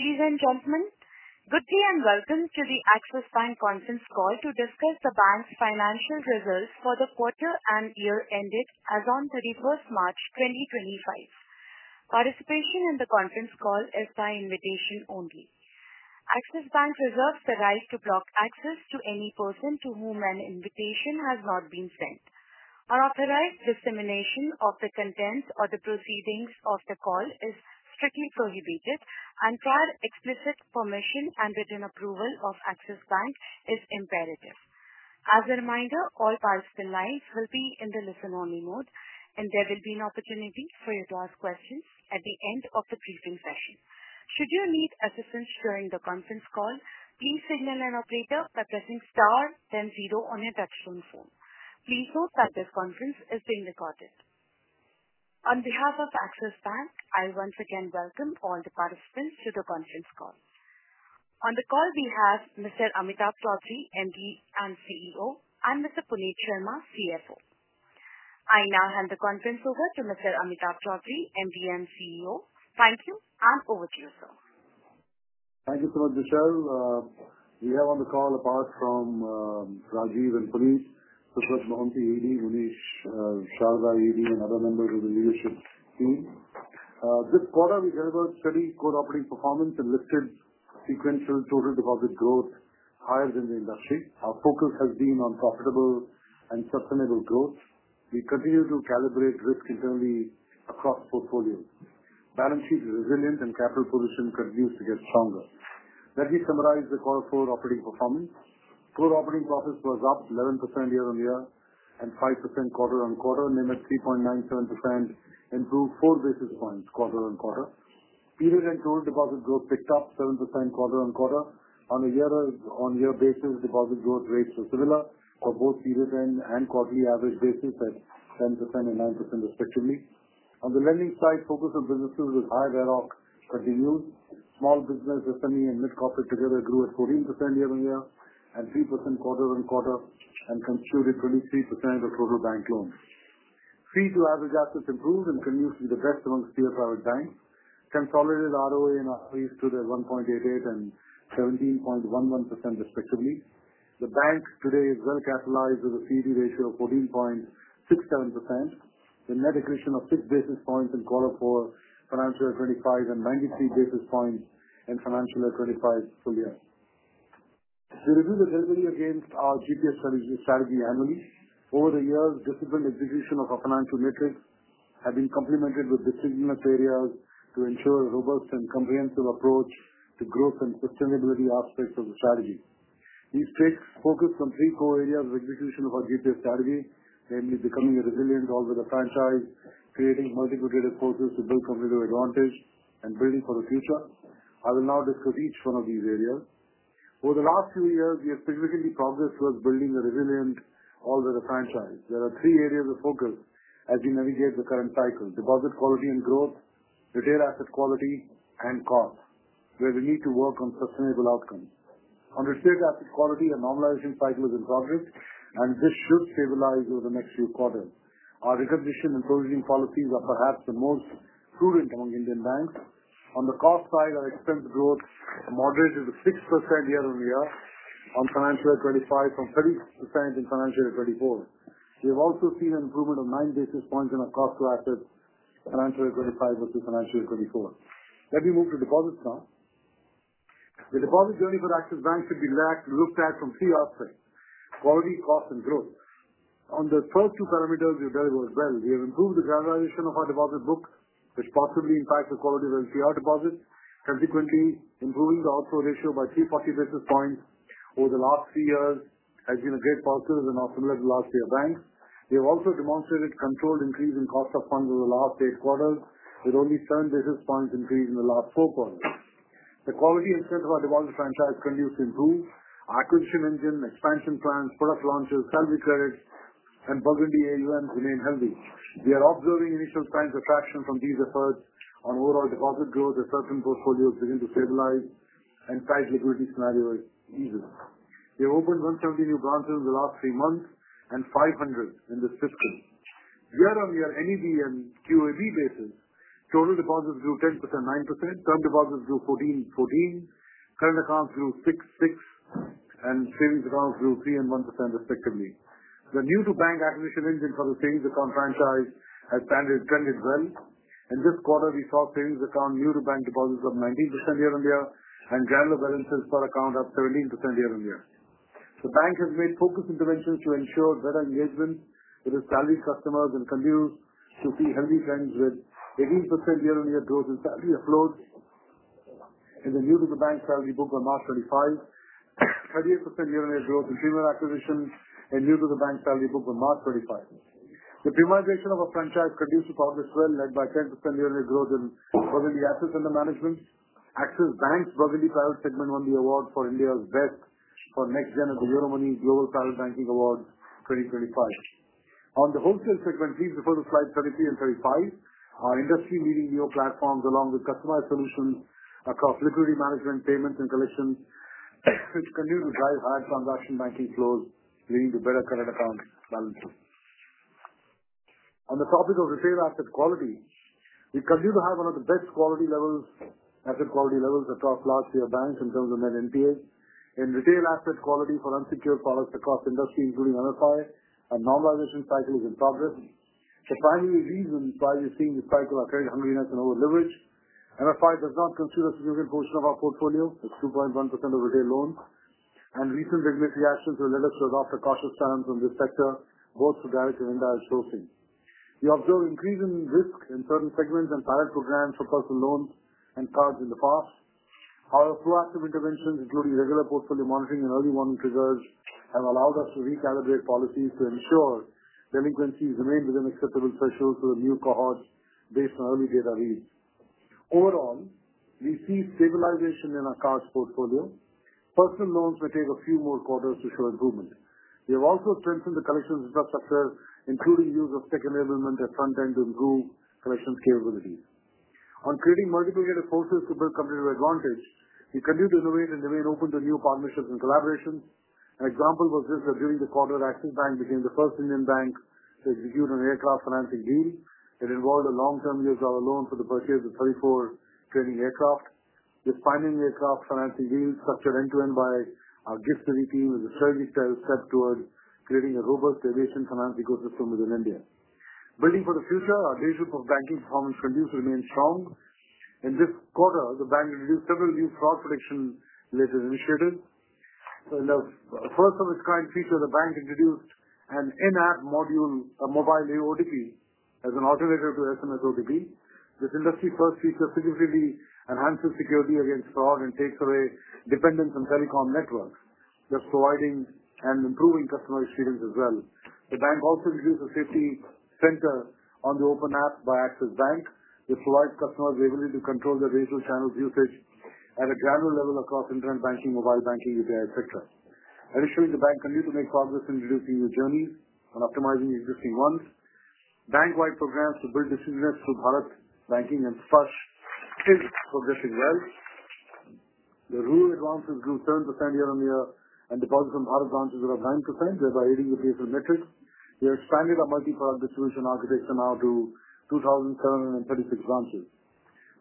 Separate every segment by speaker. Speaker 1: Ladies and gentlemen, good day and welcome to the Axis Bank Conference Call to discuss the bank's financial results for the quarter and year ended as of March 31, 2025. Participation in the conference call is by invitation only. Axis Bank reserves the right to block access to any person to whom an invitation has not been sent. Unauthorized dissemination of the contents or the proceedings of the call is strictly prohibited, and prior explicit permission and written approval of Axis Bank is imperative. As a reminder, all participant lines will be in the listen-only mode, and there will be an opportunity for you to ask questions at the end of the briefing session. Should you need assistance during the conference call, please signal an operator by pressing star then zero on your touchscreen phone. Please note that this conference is being recorded. On behalf of Axis Bank, I once again welcome all the participants to the conference call. On the call, we have Mr. Amitabh Chaudhry, MD and CEO, and Mr. Puneet Sharma, CFO. I now hand the conference over to Mr. Amitabh Chaudhry, MD and CEO. Thank you, and over to you, sir.
Speaker 2: Thank you so much, Michelle. We have on the call, apart from Rajiv and Puneet, Subrat Mohanty, Munish Sharda, and other members of the leadership team. This quarter, we delivered steady core operating performance and lifted sequential total deposit growth higher than the industry. Our focus has been on profitable and sustainable growth. We continue to calibrate risk internally across portfolio. Balance sheet is resilient, and capital position continues to get stronger. Let me summarize the quarter four operating performance. Core operating profits were up 11% year-on-year and 5% quarter-on-quarter, namely 3.97%, improved four basis points quarter-on-quarter. Period end total deposit growth picked up 7% quarter-on-quarter. On a year-on-year basis, deposit growth rates were similar for both period end and quarterly average basis at 10% and 9%, respectively. On the lending side, focus on businesses with high RoC continues. Small business, SME, and mid-corporate together grew at 14% year-on-year and 3% quarter-on-quarter, and constituted 23% of total bank loans. Fee-to-average assets improved and continues to be the best amongst peer private banks. Consolidated ROA and ROE stood at 1.88 and 17.11%, respectively. The bank today is well-capitalized with a CET1 ratio of 14.67%, with net accretion of six basis points in quarter four, financial year 2025, and 93 basis points in financial year 2025 full year. We reviewed the delivery against our GPS strategy annually. Over the years, disciplined execution of our financial metrics has been complemented with disciplined areas to ensure a robust and comprehensive approach to growth and sustainability aspects of the strategy. These take focus on three core areas of execution of our GPS strategy, namely becoming a resilient all-weather franchise, creating multiple trader forces to build competitive advantage, and building for the future. I will now discuss each one of these areas. Over the last few years, we have significantly progressed towards building a resilient all-weather franchise. There are three areas of focus as we navigate the current cycle: deposit quality and growth, retail asset quality, and cost, where we need to work on sustainable outcomes. On retail asset quality, a normalization cycle is in progress, and this should stabilize over the next few quarters. Our recognition and provision policies are perhaps the most prudent among Indian banks. On the cost side, our expense growth moderated to 6% year-on-year on financial year 2025, from 30% in financial year 2024. We have also seen an improvement of nine basis points in our cost-to-asset financial year 2025 versus financial year 2024. Let me move to deposits now. The deposit journey for Axis Bank should be looked at from three aspects: quality, cost, and growth. On the first two parameters, we've delivered well. We have improved the granularization of our deposit book, which possibly impacts the quality of our CASA deposits. Consequently, improving the outflow ratio by 340 basis points over the last three years has been a great positive and now similar to last year's banks. We have also demonstrated a controlled increase in cost of funds over the last eight quarters, with only seven basis points increase in the last four quarters. The quality and strength of our deposit franchise continues to improve. Our acquisition engine, expansion plans, product launches, salary credits, and Burgundy AUMs remain healthy. We are observing initial signs of traction from these efforts on overall deposit growth as certain portfolios begin to stabilize and tight liquidity scenarios ease. We have opened 170 new branches in the last three months and 500 in this fiscal. Year-on-year, NED and QAB basis, total deposits grew 10%, 9%. Term deposits grew 14%, 14%. Current accounts grew 6%, 6%, and savings accounts grew 3% and 1%, respectively. The new-to-bank acquisition engine for the savings account franchise has trended well. In this quarter, we saw savings account new-to-bank deposits up 19% year-on-year and general balances per account up 17% year-on-year. The bank has made focused interventions to ensure better engagement with its salaried customers and continues to see healthy trends with 18% year-on-year growth in salary uploads in the new-to-the-bank salary book on March 25, 38% year-on-year growth in female acquisition in new-to-the-bank salary book on March 25. The prioritization of our franchise continues to progress well, led by 10% year-on-year growth in Burgundy assets under management. Axis Bank's Burgundy Private segment won the award for India's best for next-gen of the Euromoney Global Private Banking Awards 2025. On the wholesale segment, please refer to slides 33 and 35. Our industry-leading new platforms, along with customized solutions across liquidity management, payments, and collections, continue to drive higher transaction banking flows, leading to better current account balances. On the topic of retail asset quality, we continue to have one of the best quality levels, asset quality levels across large-tier banks in terms of net NPA. In retail asset quality for unsecured products across industry, including MFI, a normalization cycle is in progress. The primary reasons why we're seeing this cycle are credit hungriness and over-leverage. MFI does not constitute a significant portion of our portfolio. It's 2.1% of retail loans. Recent regulatory actions have led us to adopt a cautious stance on this sector, both for direct and indirect sourcing. We observe increasing risk in certain segments and pilot programs for personal loans and cards in the past. Our proactive interventions, including regular portfolio monitoring and early warning triggers, have allowed us to recalibrate policies to ensure delinquencies remain within acceptable thresholds for the new cohorts based on early data reads. Overall, we see stabilization in our cards portfolio. Personal loans may take a few more quarters to show improvement. We have also strengthened the collections infrastructure, including use of tech enablement at front end to improve collections capabilities. On creating multiple retail forces to build competitive advantage, we continue to innovate and remain open to new partnerships and collaborations. An example was this: during the quarter, Axis Bank became the first Indian bank to execute an aircraft financing deal. It involved a long-term U.S. dollar loan for the purchase of 34 training aircraft. This pioneering aircraft financing deal structured end-to-end by our GIFT City team is a strategic step towards creating a robust aviation finance ecosystem within India. Building for the future, our leadership of banking performance continues to remain strong. In this quarter, the bank introduced several new fraud-prediction-related initiatives. In a first-of-its-kind feature, the bank introduced an in-app mobile AOTP as an alternative to SMF OTP. This industry-first feature significantly enhances security against fraud and takes away dependence on telecom networks, thus providing and improving customer experience as well. The bank also introduced a safety center on the Open app by Axis Bank. It provides customers the ability to control their digital channels usage at a granular level across internet banking, mobile banking, UPI, etc. Additionally, the bank continues to make progress in introducing new journeys and optimizing existing ones. Bank-wide programs to build decisions through Bharat Banking and Surge are progressing well. The rural advances grew 7% year-on-year, and deposits on Bharat branches were up 9%, thereby aiding the placement metrics. We have expanded our multi-product distribution architecture now to 2,736 branches.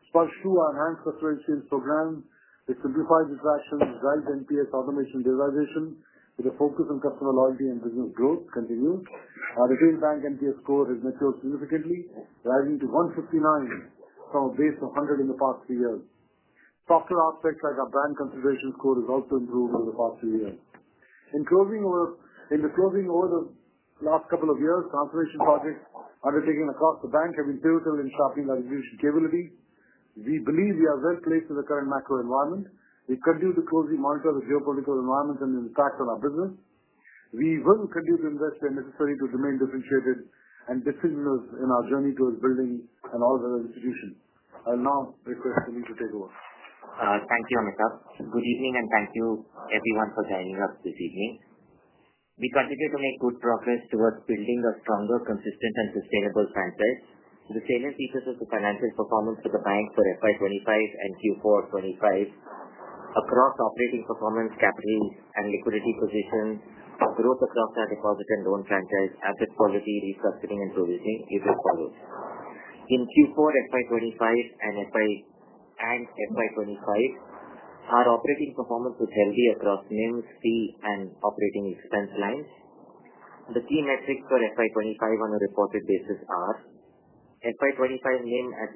Speaker 2: Surge II, our enhanced customer experience program, has simplified retractions, dragged NPS automation and derivation, with a focus on customer loyalty and business growth continued. Our retail bank NPS score has matured significantly, rising to 159 from a base of 100 in the past three years. Software aspects like our brand consideration score have also improved over the past few years. In the closing over the last couple of years, transformation projects undertaken across the bank have been pivotal in sharpening our distribution capability. We believe we are well placed in the current macro environment. We continue to closely monitor the geopolitical environment and its impact on our business. We will continue to invest where necessary to remain differentiated and decisioners in our journey towards building an all-weather institution. I'll now request Puneet to take over.
Speaker 3: Thank you, Amitabh. Good evening, and thank you, everyone, for joining us this evening. We continue to make good progress towards building a stronger, consistent, and sustainable franchise. The salient features of the financial performance for the bank for fiscal year 2025 and Q4 2025 across operating performance, capital and liquidity positions, growth across our deposit and loan franchise, asset quality, restructuring, and provisioning is as follows. In Q4 2025 and fiscal year 2025, our operating performance was healthy across NIMs, fee, and operating expense lines. The key metrics for fiscal year 2025 on a reported basis are fiscal year 2025 NIM at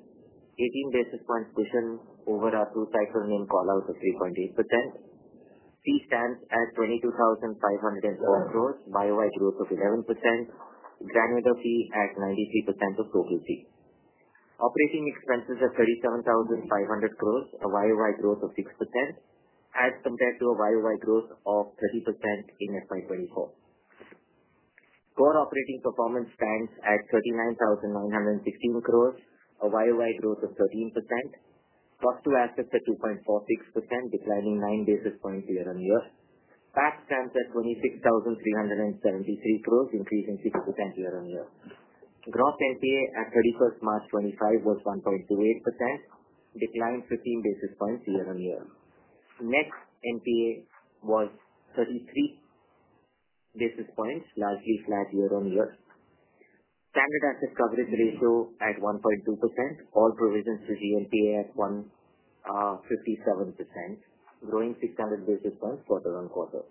Speaker 3: 3.98%, 18 basis points cushion over our two-cycle NIM callout of 3.8%, fee stamps at 22,504 crore, year-over-year growth of 11%, granular fee at 93% of total fee. Operating expenses are 37,500 crore, a year-over-year growth of 6%, as compared to a year-over-year growth of 30% in fiscal year 2024. Core operating performance stands at 39,916 crore, a year-on-year growth of 13%. Cost-to-assets at 2.46%, declining 9 basis points year-on-year. PAC stamps at 26,373 crore, increasing 6% year-on-year. Gross NPA at March 31, 2025 was 1.28%, declined 15 basis points year-on-year. Net NPA was 33 basis points, largely flat year-on-year. Standard asset coverage ratio at 1.2%. All provisions to GNPA at 157%, growing 600 basis points quarter-on-quarter.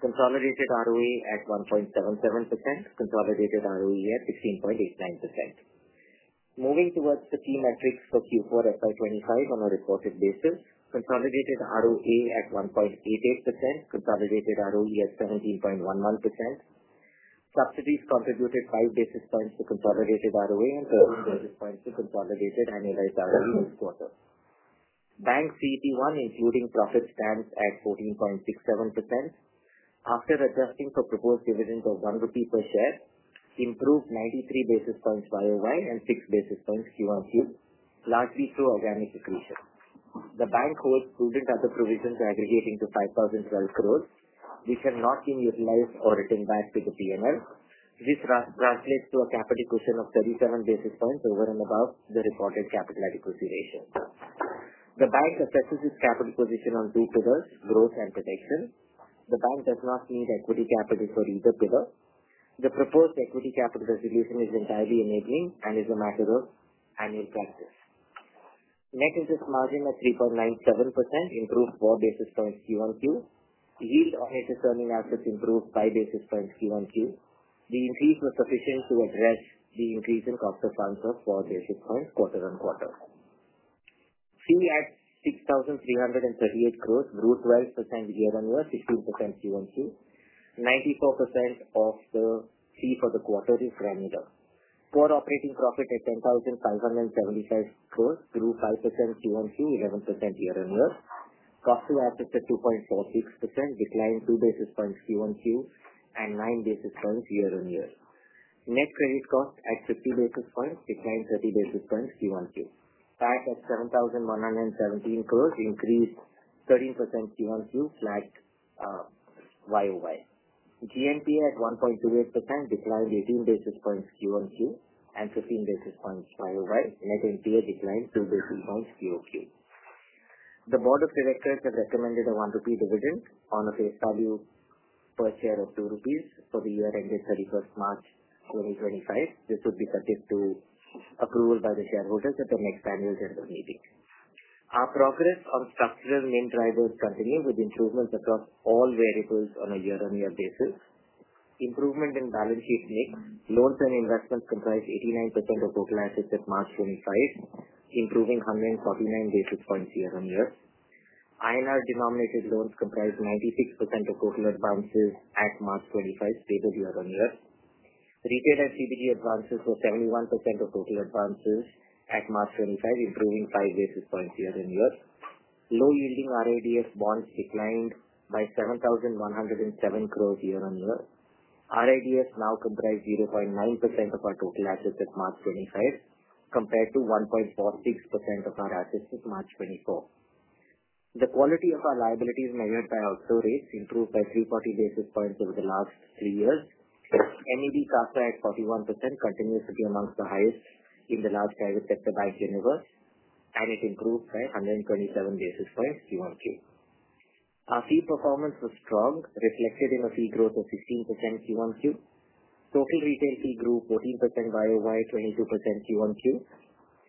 Speaker 3: Consolidated ROA at 1.77%. Consolidated ROE at 16.89%. Moving towards the key metrics for Q4 FY 2025 on a reported basis. Consolidated ROA at 1.88%. Consolidated ROE at 17.11%. Subsidiaries contributed 5 basis points to consolidated ROA and 13 basis points to consolidated annualized ROE this quarter. Bank CET1, including profits, stands at 14.67%. After adjusting for proposed dividends of 1 rupee per share, improved 93 basis points year-on-year and 6 basis points quarter-on-quarter, largely through organic accretion. The bank holds prudent other provisions aggregating to 5,012 crore, which have not been utilized or written back to the P&L. This translates to a capital cushion of 37 basis points over and above the reported capital adequacy ratio. The bank assesses its capital position on two pillars: growth and protection. The bank does not need equity capital for either pillar. The proposed equity capital resolution is entirely enabling and is a matter of annual practice. Net interest margin at 3.97% improved 4 basis points Q1Q. Yield on interest-earning assets improved 5 basis points Q1Q. The increase was sufficient to address the increase in cost of funds of 4 basis points quarter-on-quarter. Fee at INR 6,338 crore grew 12% year-on-year, 16% Q1Q. 94% of the fee for the quarter is granular. Core operating profit at 10,575 crore grew 5% Q1Q, 11% year-on-year. Cost-to-assets at 2.46% declined 2 basis points Q1Q and 9 basis points year-on-year. Net credit cost at 50 basis points declined 30 basis points Q1Q. PAC at 7,117 crore increased 13% Q1Q, flat year-on-year. GNPA at 1.28% declined 18 basis points Q1Q and 15 basis points year-on-year. Net NPA declined 2 basis points Q1Q. The board of directors have recommended a 1 rupee dividend on a face value per share of 2 rupees for the year ended 31st March 2025. This would be subject to approval by the shareholders at the next annual general meeting. Our progress on structural main drivers continues with improvements across all variables on a year-on-year basis. Improvement in balance sheet makes. Loans and investments comprise 89% of total assets at March 25, improving 149 basis points year-on-year. INR-denominated loans comprise 96% of total advances at March 25, stable year-on-year. Retail and CBD advances were 71% of total advances at March 2025, improving 5 basis points year-on-year. Low-yielding RBI bonds declined by 7,107 crore year-on-year. RIDS now comprise 0.9% of our total assets at March 2025, compared to 1.46% of our assets at March 2024. The quality of our liabilities measured by CASA rates improved by 340 basis points over the last three years. NED CASA at 41% continues to be amongst the highest in the large private sector bank universe, and it improved by 127 basis points quarter-on-quarter. Our fee performance was strong, reflected in a fee growth of 15% quarter-on-quarter. Total retail fee grew 14% year-on-year, 22% quarter-on-quarter.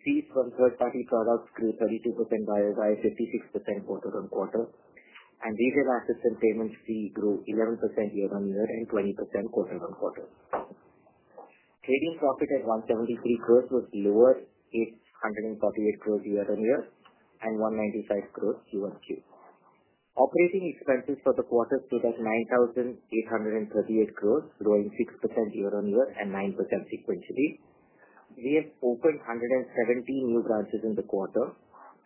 Speaker 3: Fees from third-party products grew 32% year-on-year, 56% quarter-on-quarter. Retail assets and payments fee grew 11% year-on-year and 20% quarter-on-quarter. Trading profit at 173 crore was lower, 848 crore year-on-year and 195 crore quarter-on-quarter. Operating expenses for the quarter stood at 9,838 crore, growing 6% year-on-year and 9% sequentially. We have opened 117 new branches in the quarter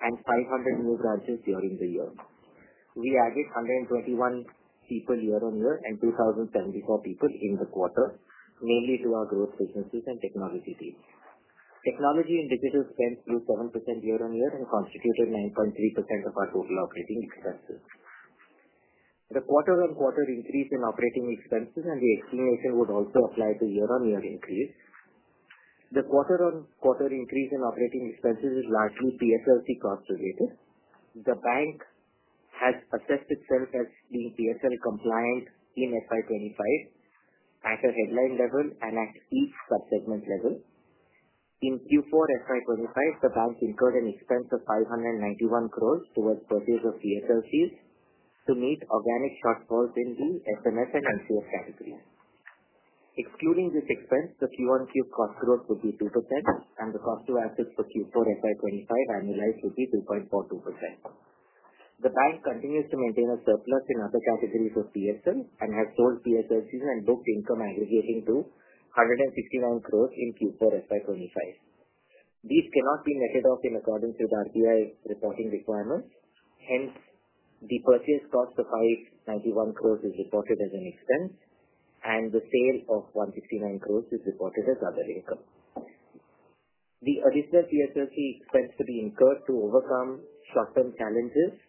Speaker 3: and 500 new branches during the year. We added 121 people year-on-year and 2,074 people in the quarter, mainly to our growth businesses and technology teams. Technology and digital spend grew 7% year-on-year and constituted 9.3% of our total operating expenses. The quarter-on-quarter increase in operating expenses and the explanation would also apply to year-on-year increase. The quarter-on-quarter increase in operating expenses is largely PSLC cost-related. The bank has assessed itself as being PSL compliant in financial year 2025 at a headline level and at each subsegment level. In Q4 financial year 2025, the bank incurred an expense of 591 crore towards purchase of PSLCs to meet organic shortfalls in the SMF and NCF categories. Excluding this expense, the Q1Q cost growth would be 2%, and the cost-to-assets for Q4 FY 2025 annualized would be 2.42%. The bank continues to maintain a surplus in other categories of PSL and has sold PSLCs and booked income aggregating to 169 crore in Q4 FY 2025. These cannot be netted off in accordance with RBI reporting requirements. Hence, the purchase cost of 591 crore is reported as an expense, and the sale of 169 crore is reported as other income. The additional PSLC expense to be incurred to overcome short-term challenges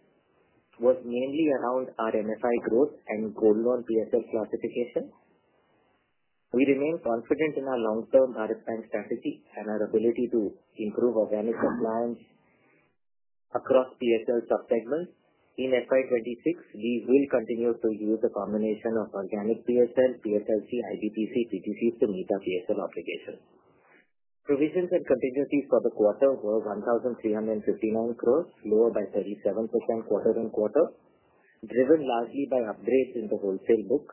Speaker 3: was mainly around our MFI growth and Gold Loan PSL classification. We remain confident in our long-term Bharat Banking strategy and our ability to improve organic compliance across PSL subsegments. In FY 2026, we will continue to use a combination of organic PSL, PSLC, IBPC, and PTCs to meet our PSL obligations. Provisions and contingencies for the quarter were 1,359 crore, lower by 37% quarter-on-quarter, driven largely by upgrades in the wholesale book,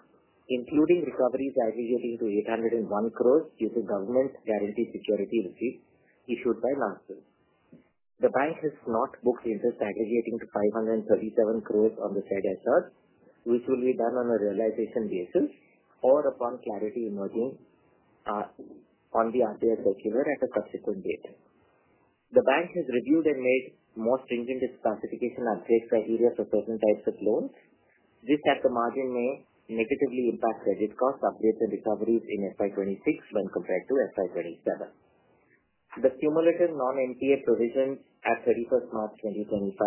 Speaker 3: including recoveries aggregating to 801 crore due to government-guaranteed security receipts issued by NARCL. The bank has not booked interest aggregating to 537 crore on the said assets, which will be done on a realization basis or upon clarity emerging on the RBI circular at a subsequent date. The bank has reviewed and made more stringent classification upgrade criteria for certain types of loans. This, at the margin, may negatively impact credit cost upgrades and recoveries in FY 2026 when compared to FY 2027. The cumulative non-NPA provision at 31 March 2025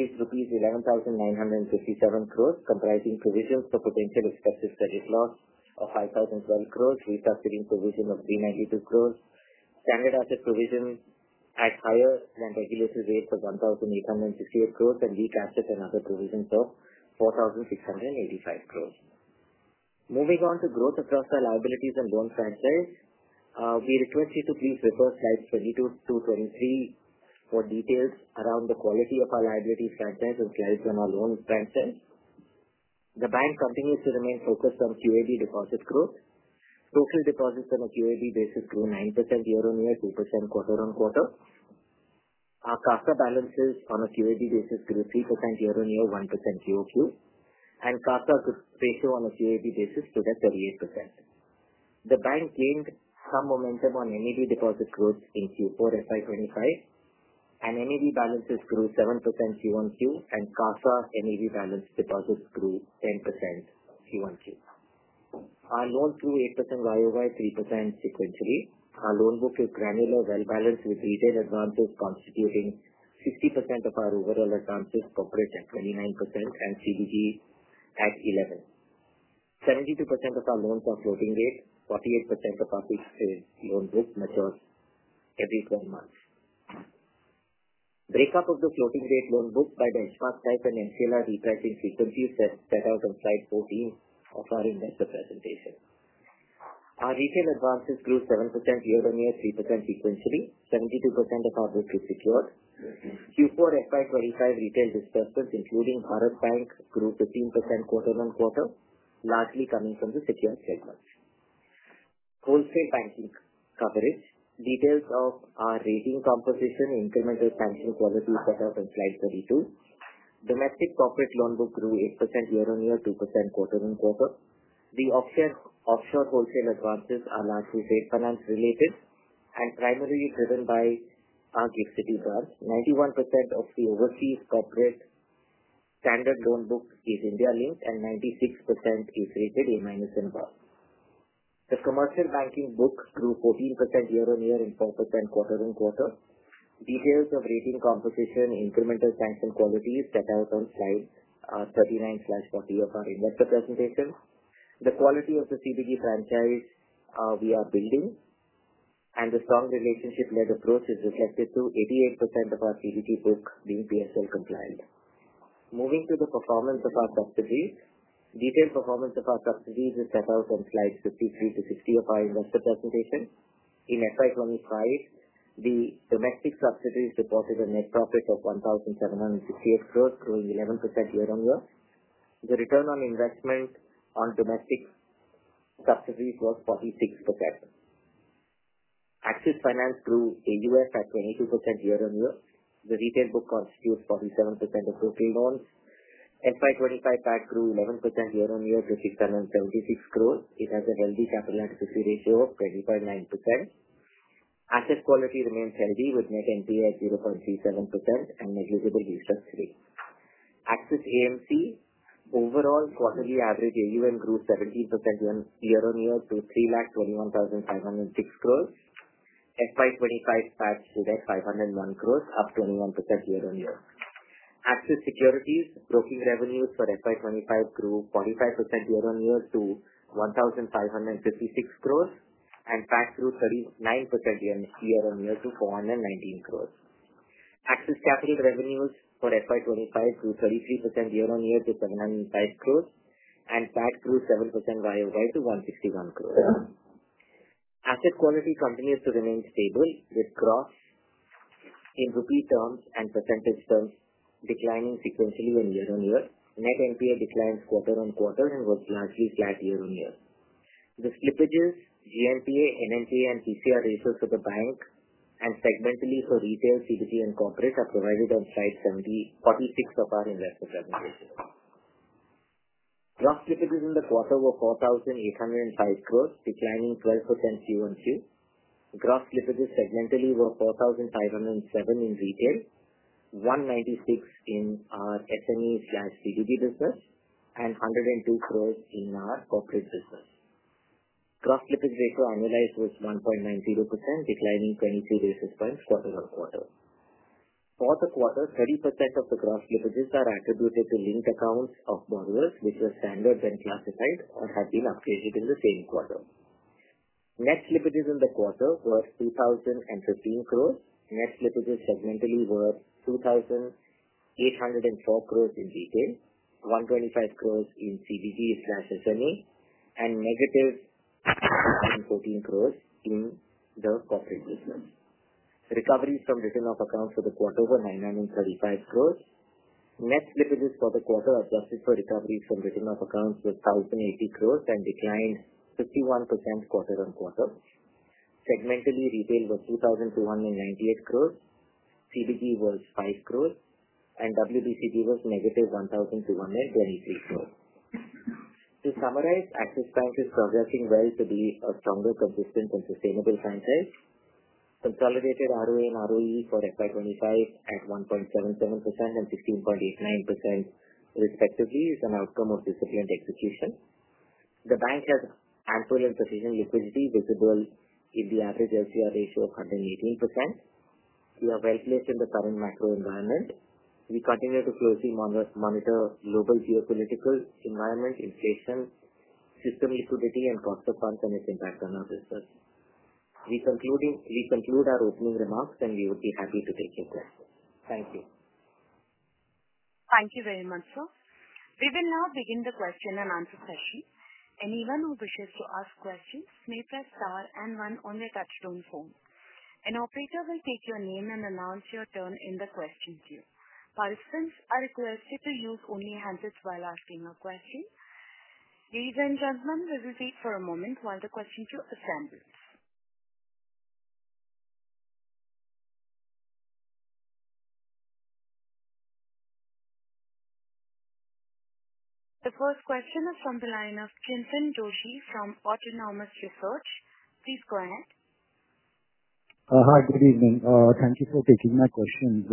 Speaker 3: is INR 11,957 crore, comprising provisions for potential expected credit loss of 5,012 crore, restructuring provision of 392 crore, standard asset provision at higher than regulatory rate of 1,868 crore, and weak asset and other provisions of 4,685 crore. Moving on to growth across our liabilities and loan franchise, we request you to please refer to slides 22-23 for details around the quality of our liabilities franchise and slides on our loan franchise. The bank continues to remain focused on QAD deposit growth. Total deposits on a QAD basis grew 9% year-on-year, 2% quarter-on-quarter. Our CASA balances on a QAD basis grew 3% year-on-year, 1% quarter-on-quarter, and CASA ratio on a QAD basis stood at 38%. The bank gained some momentum on NED deposit growth in Q4 FY 2025. NED balances grew 7% quarter-on-quarter, and CASA NED balance deposits grew 10% quarter-on-quarter. Our loans grew 8% year-on-year, 3% sequentially. Our loan book is granular, well-balanced with retail advances constituting 60% of our overall advances, corporate at 29%, and CBD at 11%. 72% of our loans are floating rate. 48% of our fixed-rate loan book matures every 12 months. Breakup of the floating-rate loan book by benchmark type and MCLR retracking frequency is set out on slide 14 of our investor presentation. Our retail advances grew 7% year-on-year, 3% sequentially. 72% of our book is secured. Q4 financial year 2025 retail disbursements, including Bharat Banking, grew 15% quarter-on-quarter, largely coming from the secured segments. Wholesale banking coverage. Details of our rating composition, incremental sanction quality set out on slide 32. Domestic corporate loan book grew 8% year-on-year, 2% quarter-on-quarter. The offshore wholesale advances are largely trade finance related and primarily driven by our GIFT City branch. 91% of the overseas corporate standard loan book is India-linked, and 96% is rated A-Involved. The commercial banking book grew 14% year-on-year and 4% quarter-on-quarter. Details of rating composition, incremental sanction quality is set out on slide 39/40 of our investor presentation. The quality of the CBD franchise we are building, and the strong relationship-led approach is reflected through 88% of our CBD book being PSL compliant. Moving to the performance of our subsidiaries. Detailed performance of our subsidiaries is set out on slides 53 to 60 of our investor presentation. In 2025, the domestic subsidiaries reported a net profit of 1,768 crore, growing 11% year-on-year. The return on investment on domestic subsidiaries was 46%. Axis Finance grew AUF at 22% year-on-year. The retail book constitutes 47% of total loans. 2025 PAC grew 11% year-on-year to 676 crore. It has a healthy capital adequacy ratio of 20.9%. Asset quality remains healthy with net NPA at 0.37% and negligible use of free. Axis AMC overall quarterly average AUM grew 17% year-on-year to INR 3,21,506 crore. FY 2025 PAT stood at INR 501 crore, up 21% year-on-year. Axis Securities broking revenues for FY 2025 grew 45% year-on-year to INR 1,556 crore, and PAT grew 39% year-on-year to 419 crore. Axis Capital revenues for FY 2025 grew 33% year-on-year to 705 crore, and PAT grew 7% year-on-year to 161 crore. Asset quality continues to remain stable with growth in rupee terms and percentage terms declining sequentially and year-on-year. Net NPA declines quarter-on-quarter and was largely flat year-on-year. The slippages GNPA, NNPA, and PCR ratios for the bank and segmentally for retail, CBD, and corporate are provided on slide 46 of our investor presentation. Gross slippages in the quarter were INR 4,805 crore, declining 12% quarter-on-quarter. Gross slippages segmentally were INR 4,507 crore in retail, INR 196 crore in our SME/CBD business, and INR 102 crore in our corporate business. Gross slippage ratio annualized was 1.90%, declining 22 basis points quarter-on-quarter. For the quarter, 30% of the gross slippages are attributed to linked accounts of borrowers, which were standard and classified or have been upgraded in the same quarter. Net slippages in the quarter were 2,015 crore. Net slippages segmentally were 2,804 crore in retail, 125 crore in CBD/SME, and negative 114 crore in the corporate business. Recoveries from written-off accounts for the quarter were 935 crore. Net slippages for the quarter adjusted for recoveries from written-off accounts were 1,080 crore and declined 51% quarter-on-quarter. Segmentally, retail was 2,298 crore, CBD was 5 crore, and WBCD was negative 1,223 crore. To summarize, Axis Bank is progressing well to be a stronger, consistent, and sustainable franchise. Consolidated ROA and ROE for FY 2025 at 1.77% and 16.89% respectively is an outcome of disciplined execution. The bank has ample and sufficient liquidity visible in the average LCR ratio of 118%. We are well placed in the current macro environment. We continue to closely monitor global geopolitical environment, inflation, system liquidity, and cost of funds and its impact on our business. We conclude our opening remarks, and we would be happy to take your questions. Thank you.
Speaker 1: Thank you very much, sir. We will now begin the question and answer session. Anyone who wishes to ask questions may press star and one on the touchstone phone. An operator will take your name and announce your turn in the question queue. Participants are requested to use only handsets while asking a question. Ladies and gentlemen, we will wait for a moment while the question queue assembles. The first question is from the line of Chintan Joshi from Autonomous Research. Please go ahead.
Speaker 4: Hi, good evening. Thank you for taking my questions.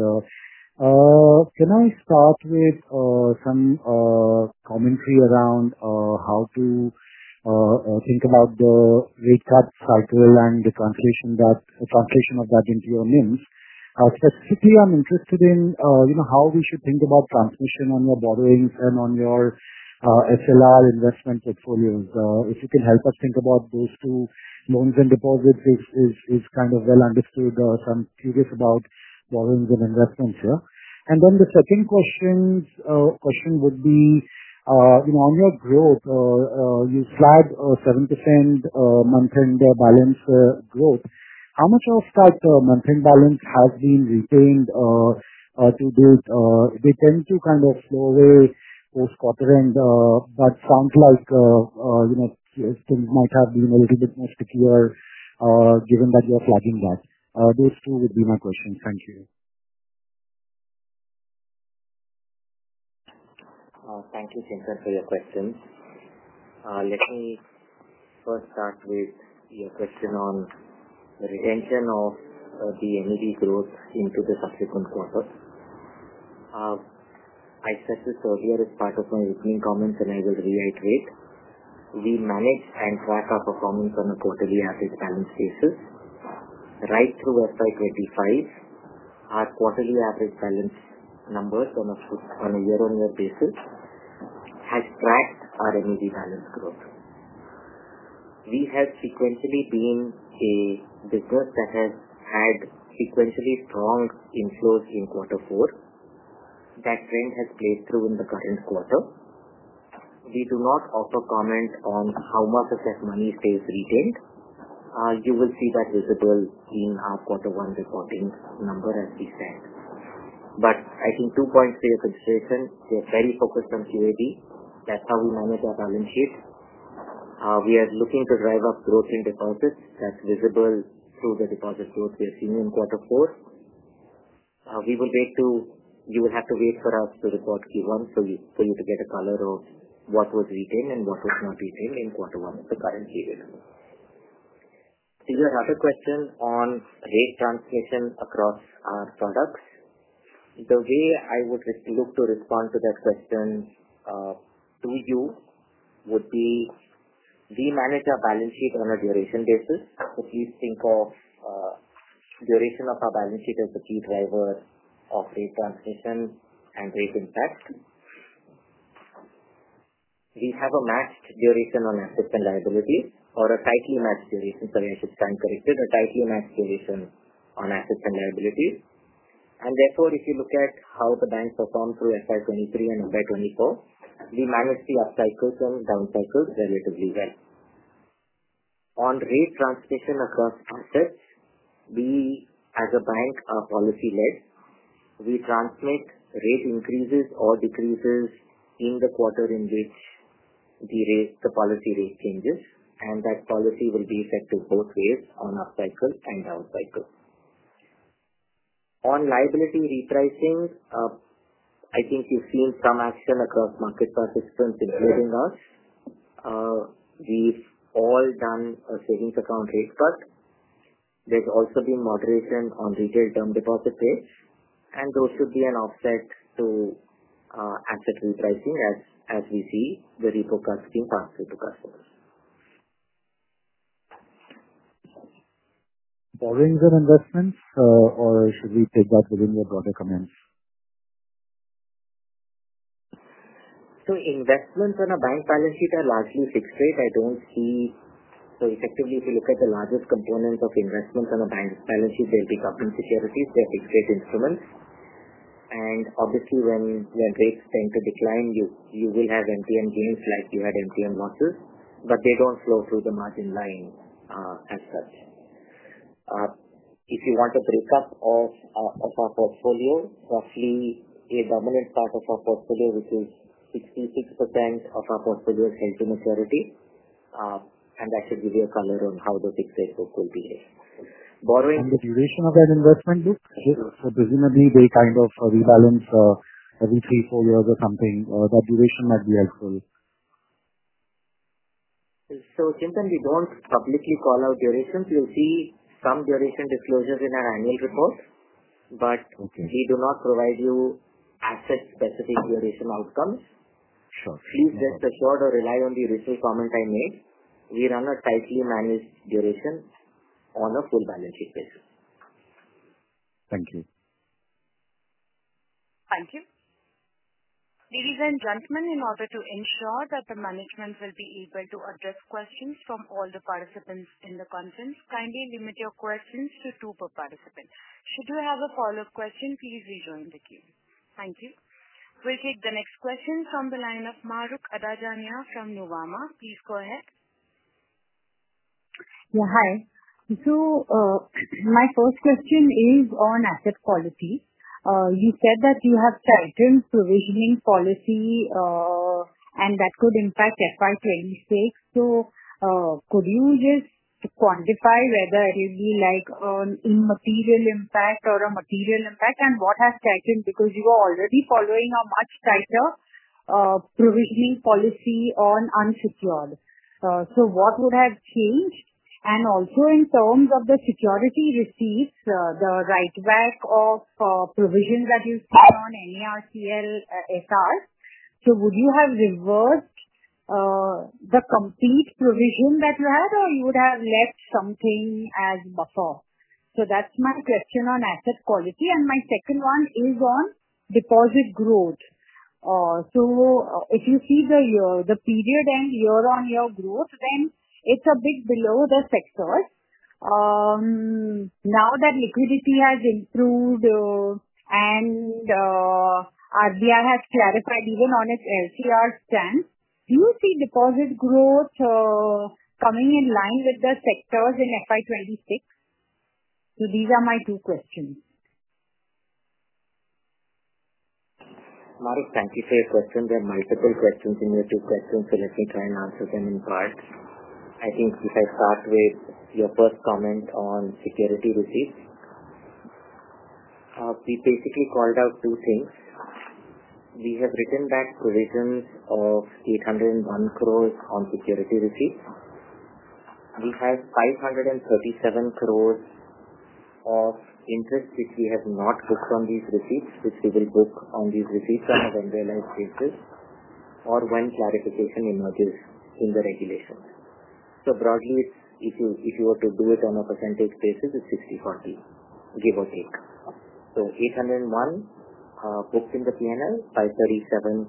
Speaker 4: Can I start with some commentary around how to think about the rate cut cycle and the translation of that into your NIMs? Specifically, I'm interested in how we should think about transmission on your borrowings and on your SLR investment portfolios. If you can help us think about those two, loans and deposits, it's kind of well understood. I am curious about borrowings and investments. The second question would be, on your growth, you flagged 7% month-end balance growth. How much of that month-end balance has been retained to date? They tend to kind of slow away post-quarter end, but sounds like things might have been a little bit more stickier given that you're flagging that. Those two would be my questions. Thank you.
Speaker 3: Thank you, Chintan, for your questions. Let me first start with your question on the retention of the NED growth into the subsequent quarter. I said this earlier as part of my opening comments, and I will reiterate. We manage and track our performance on a quarterly average balance basis. Right through FY 2025, our quarterly average balance numbers on a year-on-year basis have tracked our NED balance growth. We have sequentially been a business that has had sequentially strong inflows in quarter four. That trend has played through in the current quarter. We do not offer comment on how much of that money stays retained. You will see that visible in our quarter one reporting number, as we said. I think two points for your consideration. We are very focused on QAD. That is how we manage our balance sheet. We are looking to drive up growth in deposits. That's visible through the deposit growth we are seeing in quarter four. You will have to wait for us to report Q1 for you to get a color of what was retained and what was not retained in quarter one of the current period. To your other question on rate transmission across our products, the way I would look to respond to that question to you would be we manage our balance sheet on a duration basis. Please think of the duration of our balance sheet as the key driver of rate transmission and rate impact. We have a matched duration on assets and liabilities or a tightly matched duration. Sorry, I should stand corrected. A tightly matched duration on assets and liabilities. Therefore, if you look at how the bank performed through FY 2023 and FY 2024, we managed the up cycles and down cycles relatively well. On rate transmission across assets, we, as a bank, are policy-led. We transmit rate increases or decreases in the quarter in which the policy rate changes, and that policy will be effective both ways on up cycle and down cycle. On liability repricing, I think you've seen some action across market participants, including us. We've all done a savings account rate cut. There's also been moderation on retail term deposit rates, and those should be an offset to asset repricing as we see the repo costs being passed through to customers. Borrowings and investments, or should we take that within your broader comments? Investments on a bank balance sheet are largely fixed rate. I don't see—effectively, if you look at the largest components of investments on a bank balance sheet, they'll be government securities. They're fixed-rate instruments. Obviously, when rates tend to decline, you will have MTM gains like you had MTM losses, but they don't flow through the margin line as such. If you want a breakup of our portfolio, roughly a dominant part of our portfolio, which is 66% of our portfolio, is held to maturity, and that should give you a color on how the fixed-rate book will behave. Borrowings. The duration of that investment, Luke, so presumably they kind of rebalance every three, four years or something. That duration might be helpful. Chintan, we don't publicly call out durations. You'll see some duration disclosures in our annual report, but we do not provide you asset-specific duration outcomes. Please rest assured or rely on the original comment I made. We run a tightly managed duration on a full balance sheet basis.
Speaker 4: Thank you.
Speaker 1: Thank you. Ladies and gentlemen, in order to ensure that the management will be able to address questions from all the participants in the conference, kindly limit your questions to two per participant. Should you have a follow-up question, please rejoin the queue. Thank you. We will take the next question from the line of Mahrukh Adajania from Nuvama. Please go ahead.
Speaker 5: Yeah, hi. My first question is on asset quality. You said that you have tightened provisioning policy, and that could impact FY 2026. Could you just quantify whether it would be like an immaterial impact or a material impact, and what has tightened? You are already following a much tighter provisioning policy on unsecured. What would have changed? Also, in terms of the security receipts, the write-back of provision that you've seen on any RCL SR, would you have reversed the complete provision that you had, or would you have left something as buffer? That is my question on asset quality. My second one is on deposit growth. If you see the period and year-on-year growth, then it is a bit below the sector's. Now that liquidity has improved and RBI has clarified even on its LCR stance, do you see deposit growth coming in line with the sector in FY 2026? These are my two questions.
Speaker 3: Mahrukh, thank you for your questions. There are multiple questions in your two questions, so let me try and answer them in part. I think if I start with your first comment on security receipts, we basically called out two things. We have written back provisions of 801 crore on security receipts. We have 537 crore of interest, which we have not booked on these receipts, which we will book on these receipts on a vendor-line basis or when clarification emerges in the regulations. Broadly, if you were to do it on a percentage basis, it is 60/40, give or take. 801 crore booked in the P&L, 537 crore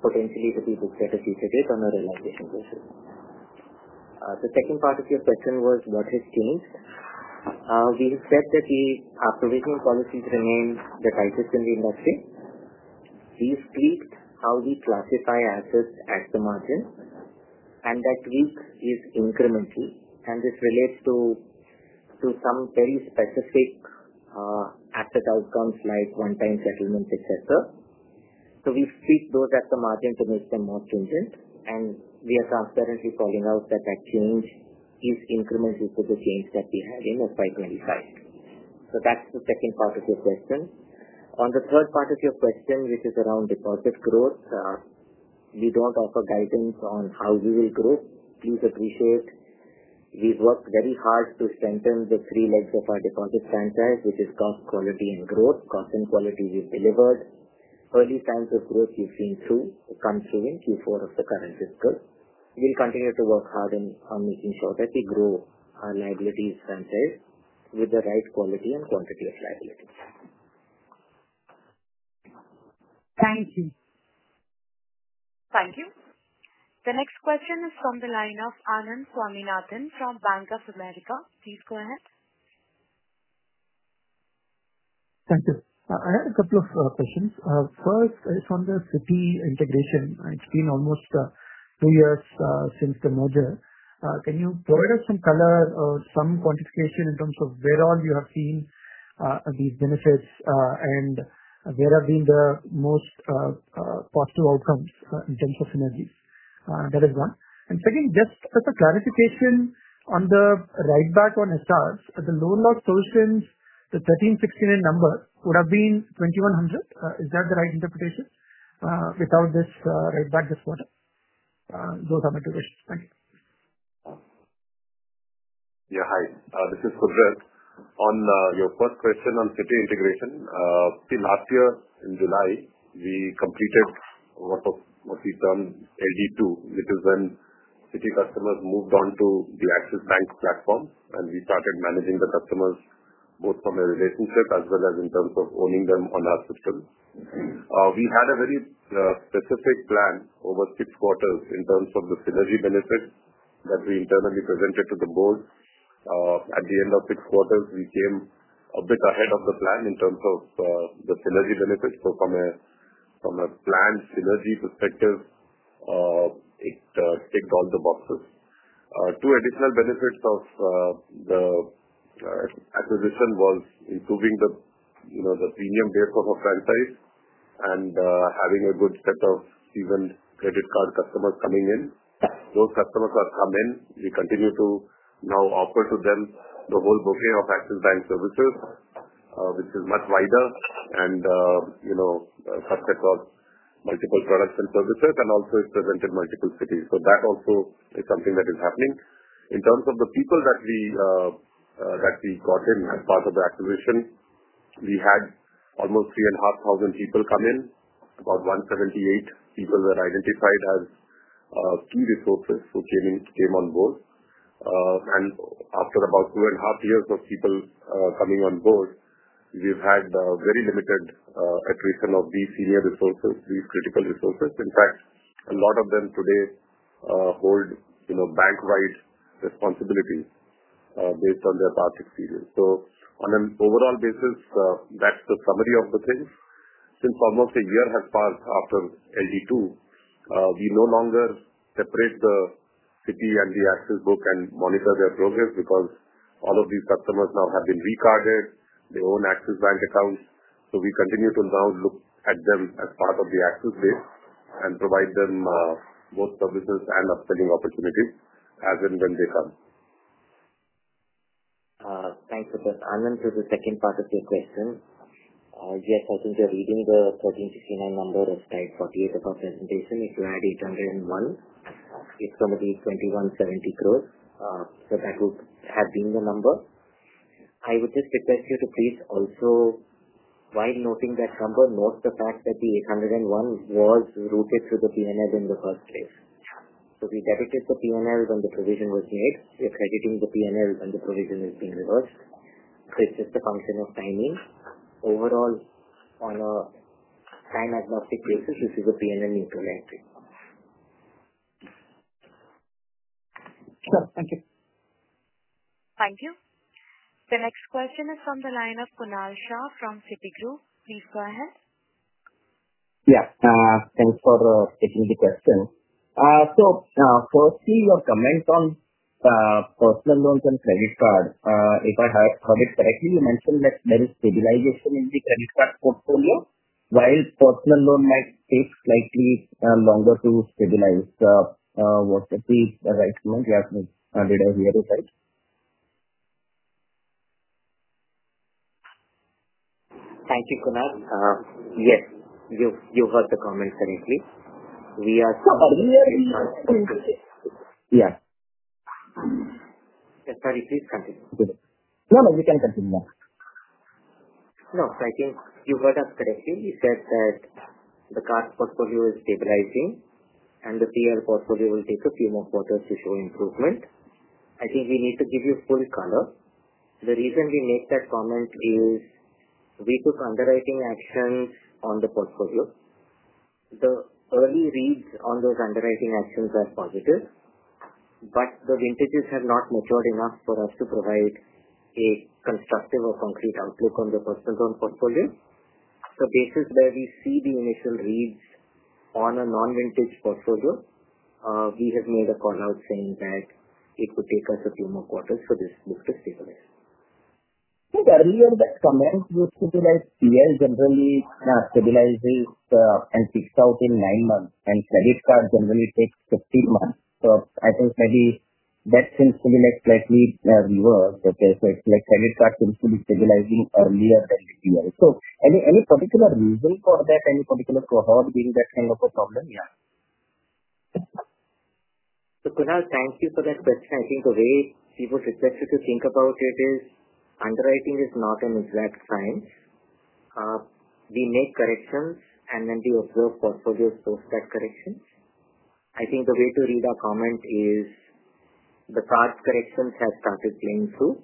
Speaker 3: potentially to be booked at a future date on a realization basis. The second part of your question was, what has changed? We have said that the provisioning policies remain the tightest in the industry. We have tweaked how we classify assets at the margin, and that tweak is incremental, and this relates to some very specific asset outcomes like one-time settlements, etc. We have tweaked those at the margin to make them more stringent, and we are transparently calling out that that change is incremental to the change that we had in FY 2025. That is the second part of your question. On the third part of your question, which is around deposit growth, we do not offer guidance on how we will grow. Please appreciate we have worked very hard to strengthen the three legs of our deposit franchise, which is cost, quality, and growth. Cost and quality we have delivered. Early signs of growth we have seen come through in Q4 of the current fiscal. We will continue to work hard on making sure that we grow our liabilities franchise with the right quality and quantity of liabilities.
Speaker 5: Thank you.
Speaker 1: Thank you. The next question is from the line of Anand Swaminathan from Bank of America. Please go ahead.
Speaker 6: Thank you. I have a couple of questions. First, it's on the Citi integration. It's been almost two years since the merger. Can you provide us some color or some quantification in terms of where all you have seen these benefits and where have been the most positive outcomes in terms of synergies? That is one. Second, just as a clarification on the write-back on SRs, the loan loss solutions, the 1,369 number would have been 2,100. Is that the right interpretation? Without this write-back, just what? Those are my two questions. Thank you.
Speaker 7: Yeah, hi. This is Subrat. On your first question on Citi integration, last year in July, we completed what was mostly termed LD2, which is when Citi customers moved on to the Axis Bank platform, and we started managing the customers both from a relationship as well as in terms of owning them on our system. We had a very specific plan over six quarters in terms of the synergy benefits that we internally presented to the board. At the end of six quarters, we came a bit ahead of the plan in terms of the synergy benefits. From a planned synergy perspective, it ticked all the boxes. Two additional benefits of the acquisition were improving the premium base of our franchise and having a good set of seasoned credit card customers coming in. Those customers have come in. We continue to now offer to them the whole bouquet of Axis Bank services, which is much wider and cuts across multiple products and services, and also it is presented in multiple cities. That also is something that is happening. In terms of the people that we got in as part of the acquisition, we had almost 3,500 people come in. About 178 people were identified as key resources who came on board. After about two and a half years of people coming on board, we have had very limited attrition of these senior resources, these critical resources. In fact, a lot of them today hold bank-wide responsibilities based on their past experience. On an overall basis, that is the summary of the things. Since almost a year has passed after LD2, we no longer separate the Citi and the Axis book and monitor their progress because all of these customers now have been recarded. They own Axis Bank accounts. We continue to now look at them as part of the Axis base and provide them both services and upselling opportunities as and when they come.
Speaker 3: Thanks for this. Anand, this is the second part of your question. Yes, as in the reading, the 1,369 number was tied 48 of our presentation. If you add 801, it is going to be 2,170 crore. That would have been the number. I would just request you to please also, while noting that number, note the fact that the 801 was routed through the P&L in the first place. We debited the P&L when the provision was made. We're crediting the P&L when the provision has been reversed. It's just a function of timing. Overall, on a time-agnostic basis, this is a P&L neutral entry.
Speaker 6: Sure. Thank you.
Speaker 1: Thank you. The next question is from the line of Kunal Shah from Citigroup. Please go ahead.
Speaker 8: Yeah. Thanks for taking the question. Firstly, your comment on personal loans and credit cards, if I heard correctly, you mentioned that there is stabilization in the credit card portfolio, while personal loan might take slightly longer to stabilize. Was that the right comment? Did I hear it right? Thank you, Kunal. Yes, you heard the comment correctly. We are still. Earlier we. Yes. Sorry, please continue. No, no, you can continue. No. I think you heard us correctly. You said that the card portfolio is stabilizing, and the P&L portfolio will take a few more quarters to show improvement. I think we need to give you full color. The reason we make that comment is we took underwriting actions on the portfolio. The early reads on those underwriting actions are positive, but the vintages have not matured enough for us to provide a constructive or concrete outlook on the personal loan portfolio. The basis where we see the initial reads on a non-vintage portfolio, we have made a call out saying that it would take us a few more quarters for this book to stabilize. Earlier that comment used to be like P&L generally stabilizes and fixed out in nine months, and credit card generally takes 15 months. I think maybe that seems to be slightly reversed. Okay. It is like credit card seems to be stabilizing earlier than the P&L. Any particular reason for that, any particular cohort being that kind of a problem?
Speaker 3: Yeah. Kunal, thank you for that question. I think the way people should just think about it is underwriting is not an exact science. We make corrections, and then we observe portfolios post that correction. I think the way to read our comment is the card corrections have started playing through.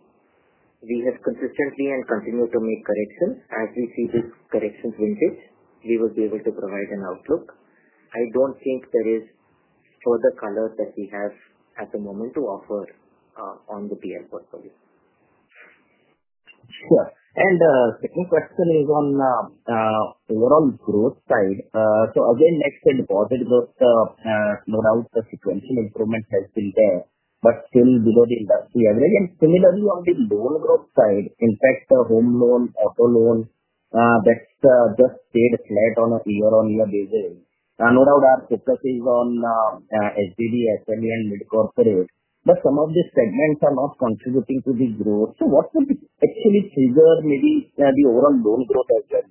Speaker 3: We have consistently and continue to make corrections. As we see these corrections vintage, we will be able to provide an outlook. I do not think there is further color that we have at the moment to offer on the P&L portfolio. Sure. Second question is on overall growth side. Again, next headquartered growth, no doubt the sequential improvement has been there, but still below the industry average. Similarly, on the loan growth side, in fact, the home loan, auto loan, that's just stayed flat on a year-on-year basis. No doubt our focus is on SGD, SME, and mid-corporate, but some of these segments are not contributing to the growth. What will actually trigger maybe the overall loan growth as well?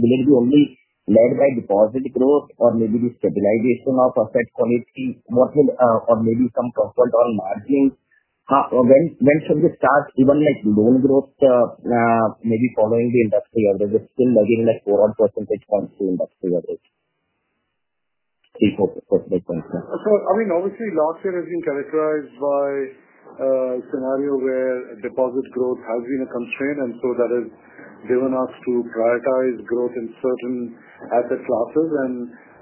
Speaker 3: Will it be only led by deposit growth or maybe the stabilization of asset quality or maybe some comfort on margins? When should we start even loan growth maybe following the industry average? It's still lagging like three or four percentage points to industry average. Three or four percentage points.
Speaker 2: I mean, obviously, last year has been characterized by a scenario where deposit growth has been a constraint, and that has given us to prioritize growth in certain asset classes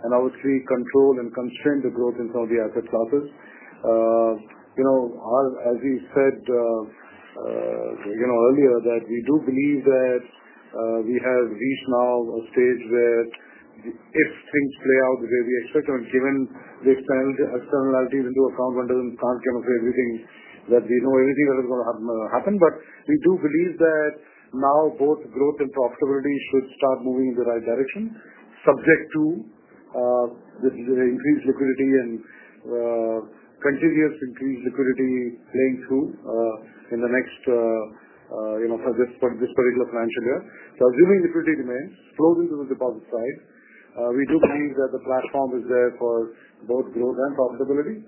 Speaker 2: and obviously control and constrain the growth in some of the asset classes. As we said earlier, that we do believe that we have reached now a stage where if things play out the way we expect and given the externalities into account, one can't come up with everything that we know everything that is going to happen. We do believe that now both growth and profitability should start moving in the right direction, subject to the increased liquidity and continuous increased liquidity playing through in the next for this particular financial year. Assuming liquidity demands flows into the deposit side, we do believe that the platform is there for both growth and profitability.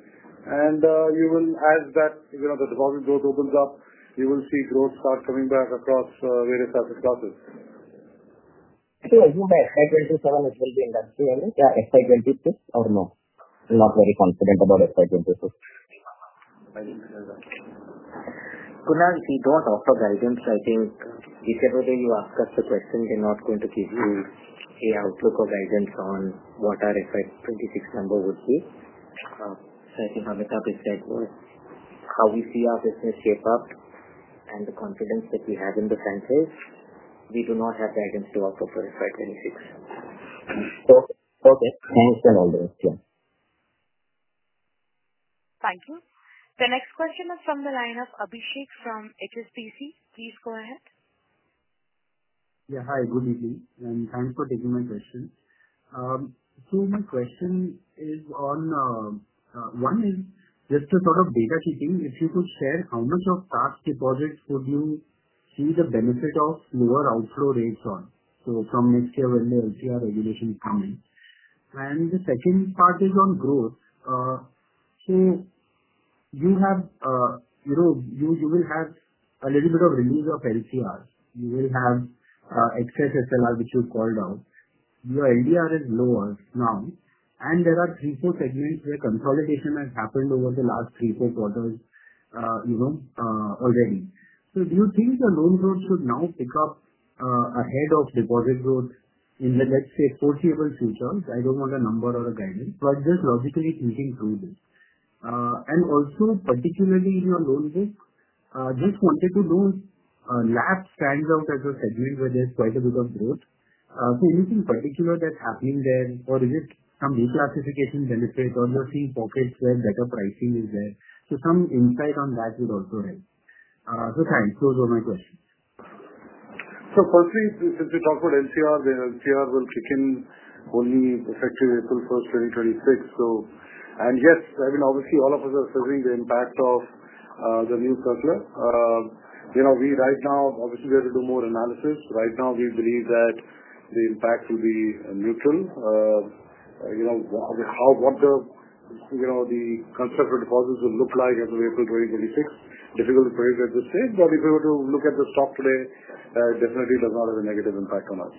Speaker 2: As the deposit growth opens up, you will see growth start coming back across various asset classes.
Speaker 8: You may have said 27, it will be industry, isn't it? Yeah, financial year 2026 or no? Not very confident about financial year 2026. I didn't hear that. Kunal, we do not offer guidance. I think if every day you ask us the question, we are not going to give you an outlook or guidance on what our FY 2026 number would be. I think Amitabh has said how we see our business shape up and the confidence that we have in the franchise, we do not have guidance to offer for FY 2026. Okay. Okay. Thanks for all the questions.
Speaker 1: Thank you. The next question is from the line of Abhishek from HSBC. Please go ahead.
Speaker 9: Yeah. Hi. Good evening. And thanks for taking my question. My question is on one is just a sort of data keeping. If you could share how much of tax deposits would you see the benefit of lower outflow rates on? From next year when the LCR regulations come in. The second part is on growth. You will have a little bit of release of LCR. You will have excess SLR, which you called out. Your LDR is lower now, and there are three, four segments where consolidation has happened over the last three, four quarters already. Do you think the loan growth should now pick up ahead of deposit growth in the, let's say, foreseeable future? I don't want a number or a guidance, but just logically thinking through this. Also, particularly in your loan book, just wanted to know LAP stands out as a segment where there's quite a bit of growth. Anything particular that's happening there, or is it some reclassification benefit, or you're seeing pockets where better pricing is there? Some insight on that would also help. Thanks. Those were my questions.
Speaker 2: Firstly, since we talked about LCR, the LCR will kick in only effective April 1, 2026. Yes, I mean, obviously, all of us are feeling the impact of the new circular. Right now, obviously, we have to do more analysis. Right now, we believe that the impact will be neutral. What the concept of deposits will look like as of April 2026 is difficult to predict at this stage. If we were to look at the stock today, it definitely does not have a negative impact on us.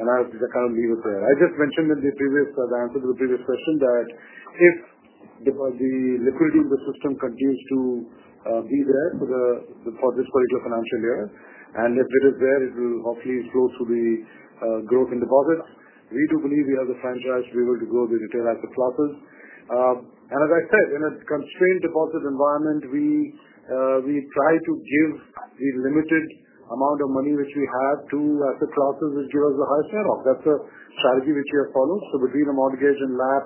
Speaker 2: I will kind of leave it there. I just mentioned in the previous answer to the previous question that if the liquidity in the system continues to be there for this particular financial year, and if it is there, it will hopefully flow through the growth in deposits. We do believe we have the franchise to be able to grow the retail asset classes. As I said, in a constrained deposit environment, we try to give the limited amount of money which we have to asset classes that give us the highest ROC. That is a strategy which we have followed. Between a mortgage and LAP,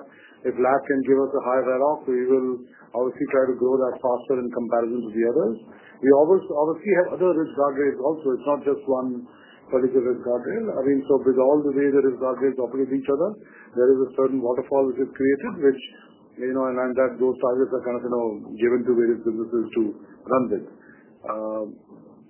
Speaker 2: if LAP can give us a higher ROC, we will obviously try to grow that faster in comparison to the others. We obviously have other risk guardrails also. It is not just one particular risk guardrail. I mean, with all the ways that risk guardrails operate with each other, there is a certain waterfall which is created, which in that those targets are kind of given to various businesses to run with.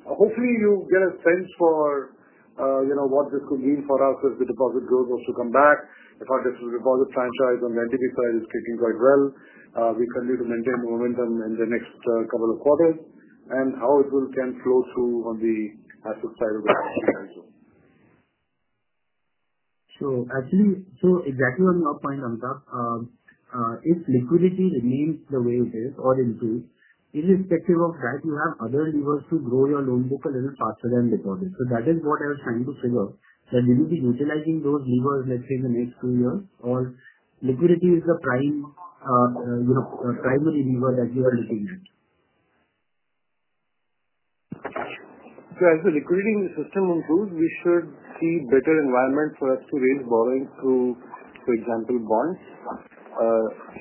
Speaker 2: Hopefully, you get a sense for what this could mean for us as the deposit growth was to come back. If our deposit franchise on the NDB side is kicking quite well, we continue to maintain the momentum in the next couple of quarters and how it will then flow through on the asset side of the company as well.
Speaker 9: Actually, exactly on your point, Amitabh, if liquidity remains the way it is or improves, irrespective of that, you have other levers to grow your loan book a little faster than deposits. That is what I was trying to figure, that will you be utilizing those levers, let's say, in the next two years, or liquidity is the primary lever that you are looking at?
Speaker 2: As the liquidity in the system improves, we should see better environment for us to raise borrowing through, for example, bonds.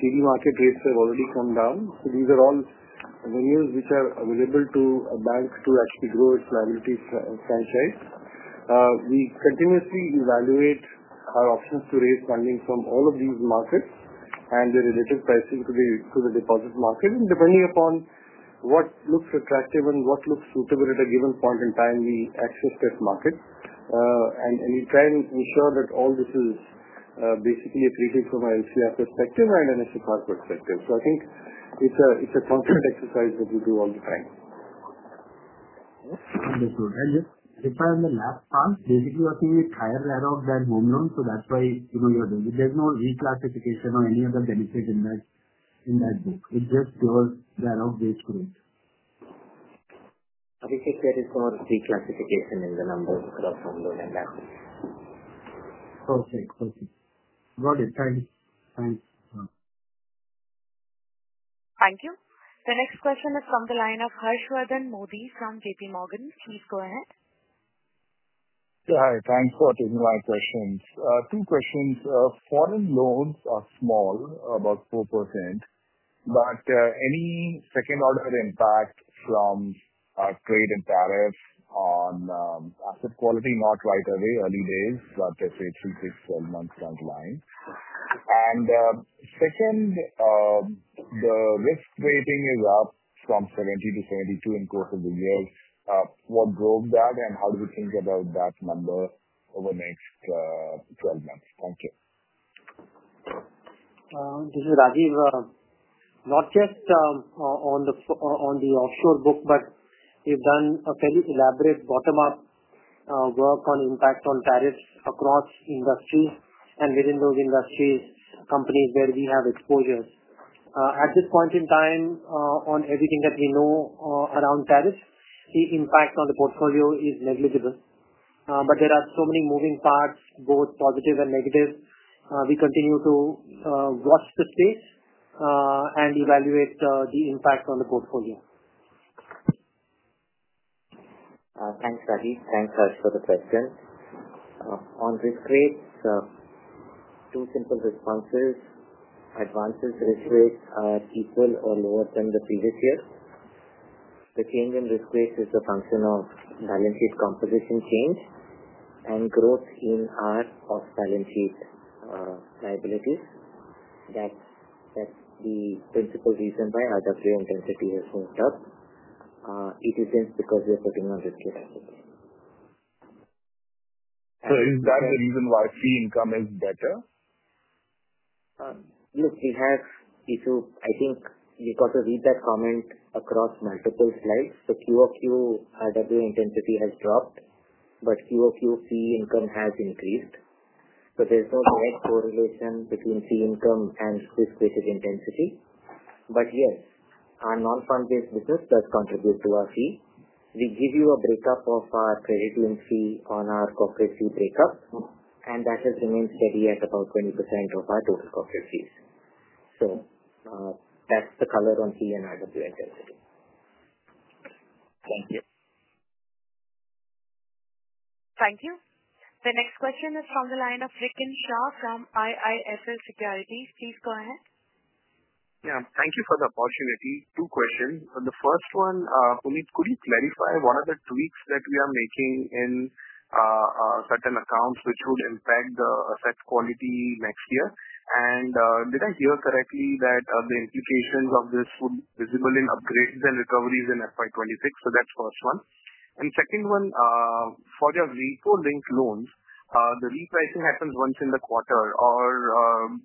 Speaker 2: CD market rates have already come down. These are all venues which are available to a bank to actually grow its liability franchise. We continuously evaluate our options to raise funding from all of these markets and the relative pricing to the deposit market. Depending upon what looks attractive and what looks suitable at a given point in time, we access that market. We try and ensure that all this is basically a treatment from an LCR perspective and an SHR perspective. I think it is a constant exercise that we do all the time. Understood. Just to clarify, on the LAP part, basically, you are seeing a higher ROC than home loans. That is why you are doing it. There is no reclassification or any other benefit in that book. It just grows the ROC based growth.
Speaker 3: Abhishek, there is no reclassification in the numbers across home loan and LAP.
Speaker 9: Perfect. Perfect. Got it. Thanks. Thanks.
Speaker 1: Thank you. The next question is from the line of Harsh Wardhan Modi from J.P. Morgan. Please go ahead.
Speaker 10: Yeah. Thanks for taking my questions. Two questions. Foreign loans are small, about 4%, but any second-order impact from trade and tariffs on asset quality? Not right away, early days, but let's say 3, 6, 12 months down the line. Second, the risk rating is up from 70 to 72 in the course of the year. What drove that, and how do we think about that number over the next 12 months? Thank you.
Speaker 11: This is Rajiv. Not just on the offshore book, but we've done a fairly elaborate bottom-up work on impact on tariffs across industries and within those industries, companies where we have exposures. At this point in time, on everything that we know around tariffs, the impact on the portfolio is negligible. There are so many moving parts, both positive and negative. We continue to watch the space and evaluate the impact on the portfolio.
Speaker 3: Thanks, Rajiv. Thanks, Harsh, for the question. On risk rates, two simple responses. Advances risk rates are equal or lower than the previous year. The change in risk rates is a function of balance sheet composition change and growth in our off-balance sheet liabilities. That is the principal reason why RWA intensity has moved up. It is not because we are putting on risk-rated assets. Is that the reason why fee income is better? Look, we have issues. I think you have to read that comment across multiple slides. The QoQ RWA intensity has dropped, but QoQ fee income has increased. There is no direct correlation between fee income and risk-rated intensity. But yes, our non-fund-based business does contribute to our fee. We give you a breakup of our credit union fee on our corporate fee breakup, and that has remained steady at about 20% of our total corporate fees. That is the color on fee and RWA intensity.
Speaker 10: Thank you.
Speaker 1: Thank you. The next question is from the line of Rikin Shah from IIFL Services. Please go ahead.
Speaker 12: Yeah. Thank you for the opportunity. Two questions. The first one, Puneet, could you clarify what are the tweaks that we are making in certain accounts which would impact the asset quality next year? And did I hear correctly that the implications of this would be visible in upgrades and recoveries in FY 2026? That is the first one. Second one, for your repo-linked loans, the repricing happens once in the quarter, or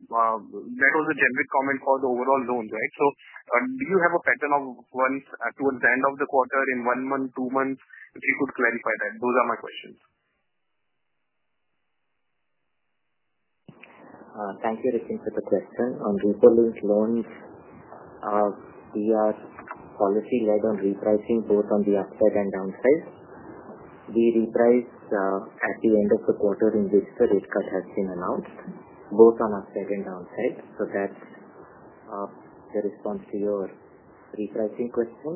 Speaker 12: that was a generic comment for the overall loans, right? Do you have a pattern of once towards the end of the quarter in one month, two months? If you could clarify that. Those are my questions.
Speaker 3: Thank you, Rikin, for the question. On repo-linked loans, we are policy-led on repricing both on the upside and downside. We reprice at the end of the quarter in which the rate cut has been announced, both on upside and downside. That is the response to your repricing question.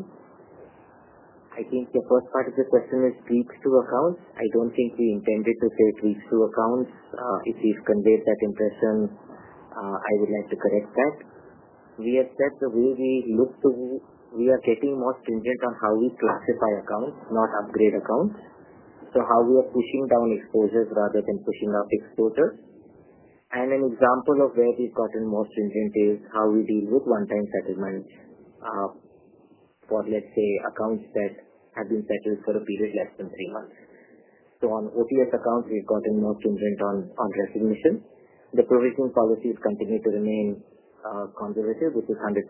Speaker 3: I think the first part of the question is tweaks to accounts. I do not think we intended to say tweaks to accounts. If you have conveyed that impression, I would like to correct that. We have said the way we look to we are getting more stringent on how we classify accounts, not upgrade accounts. How we are pushing down exposures rather than pushing up exposures. An example of where we've gotten more stringent is how we deal with one-time settlement for, let's say, accounts that have been settled for a period less than three months. On OTS accounts, we've gotten more stringent on resignation. The provision policies continue to remain conservative, which is 100%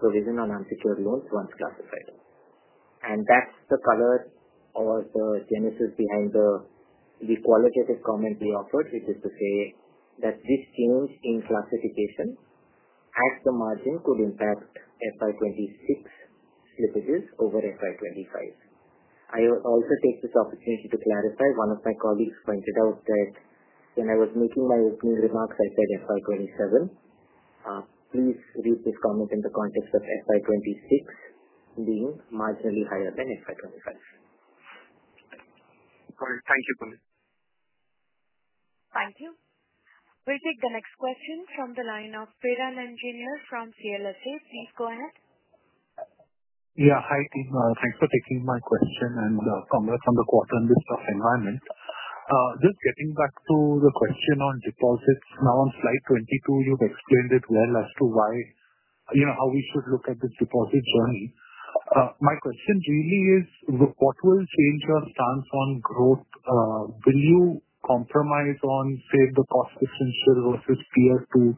Speaker 3: provision on unsecured loans once classified. That's the color or the genesis behind the qualitative comment we offered, which is to say that this change in classification at the margin could impact FY 2026 slippages over FY 2025. I will also take this opportunity to clarify. One of my colleagues pointed out that when I was making my opening remarks, I said FY 2027. Please read this comment in the context of FY 2026 being marginally higher than FY 2025.
Speaker 12: All right. Thank you, Puneet.
Speaker 1: Thank you. We'll take the next question from the line of Piran Engineer from CLSA. Please go ahead.
Speaker 13: Yeah. Hi, Tim. Thanks for taking my question and comment from the quarter and this stuff environment. Just getting back to the question on deposits, now on slide 22, you've explained it well as to why how we should look at this deposit journey. My question really is, what will change your stance on growth? Will you compromise on, say, the cost differential versus tier two,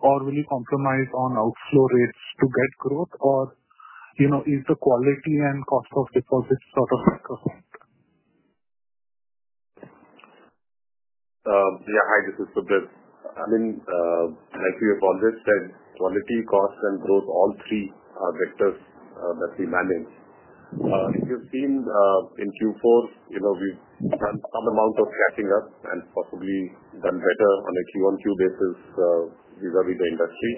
Speaker 13: or will you compromise on outflow rates to get growth, or is the quality and cost of deposits sort of a cost?
Speaker 7: Yeah. Hi. This is Subrat. I mean, like you have already said, quality, cost, and growth, all three are vectors that we manage. You've seen in Q4, we've done some amount of catching up and possibly done better on a Q1, Q basis vis-à-vis the industry.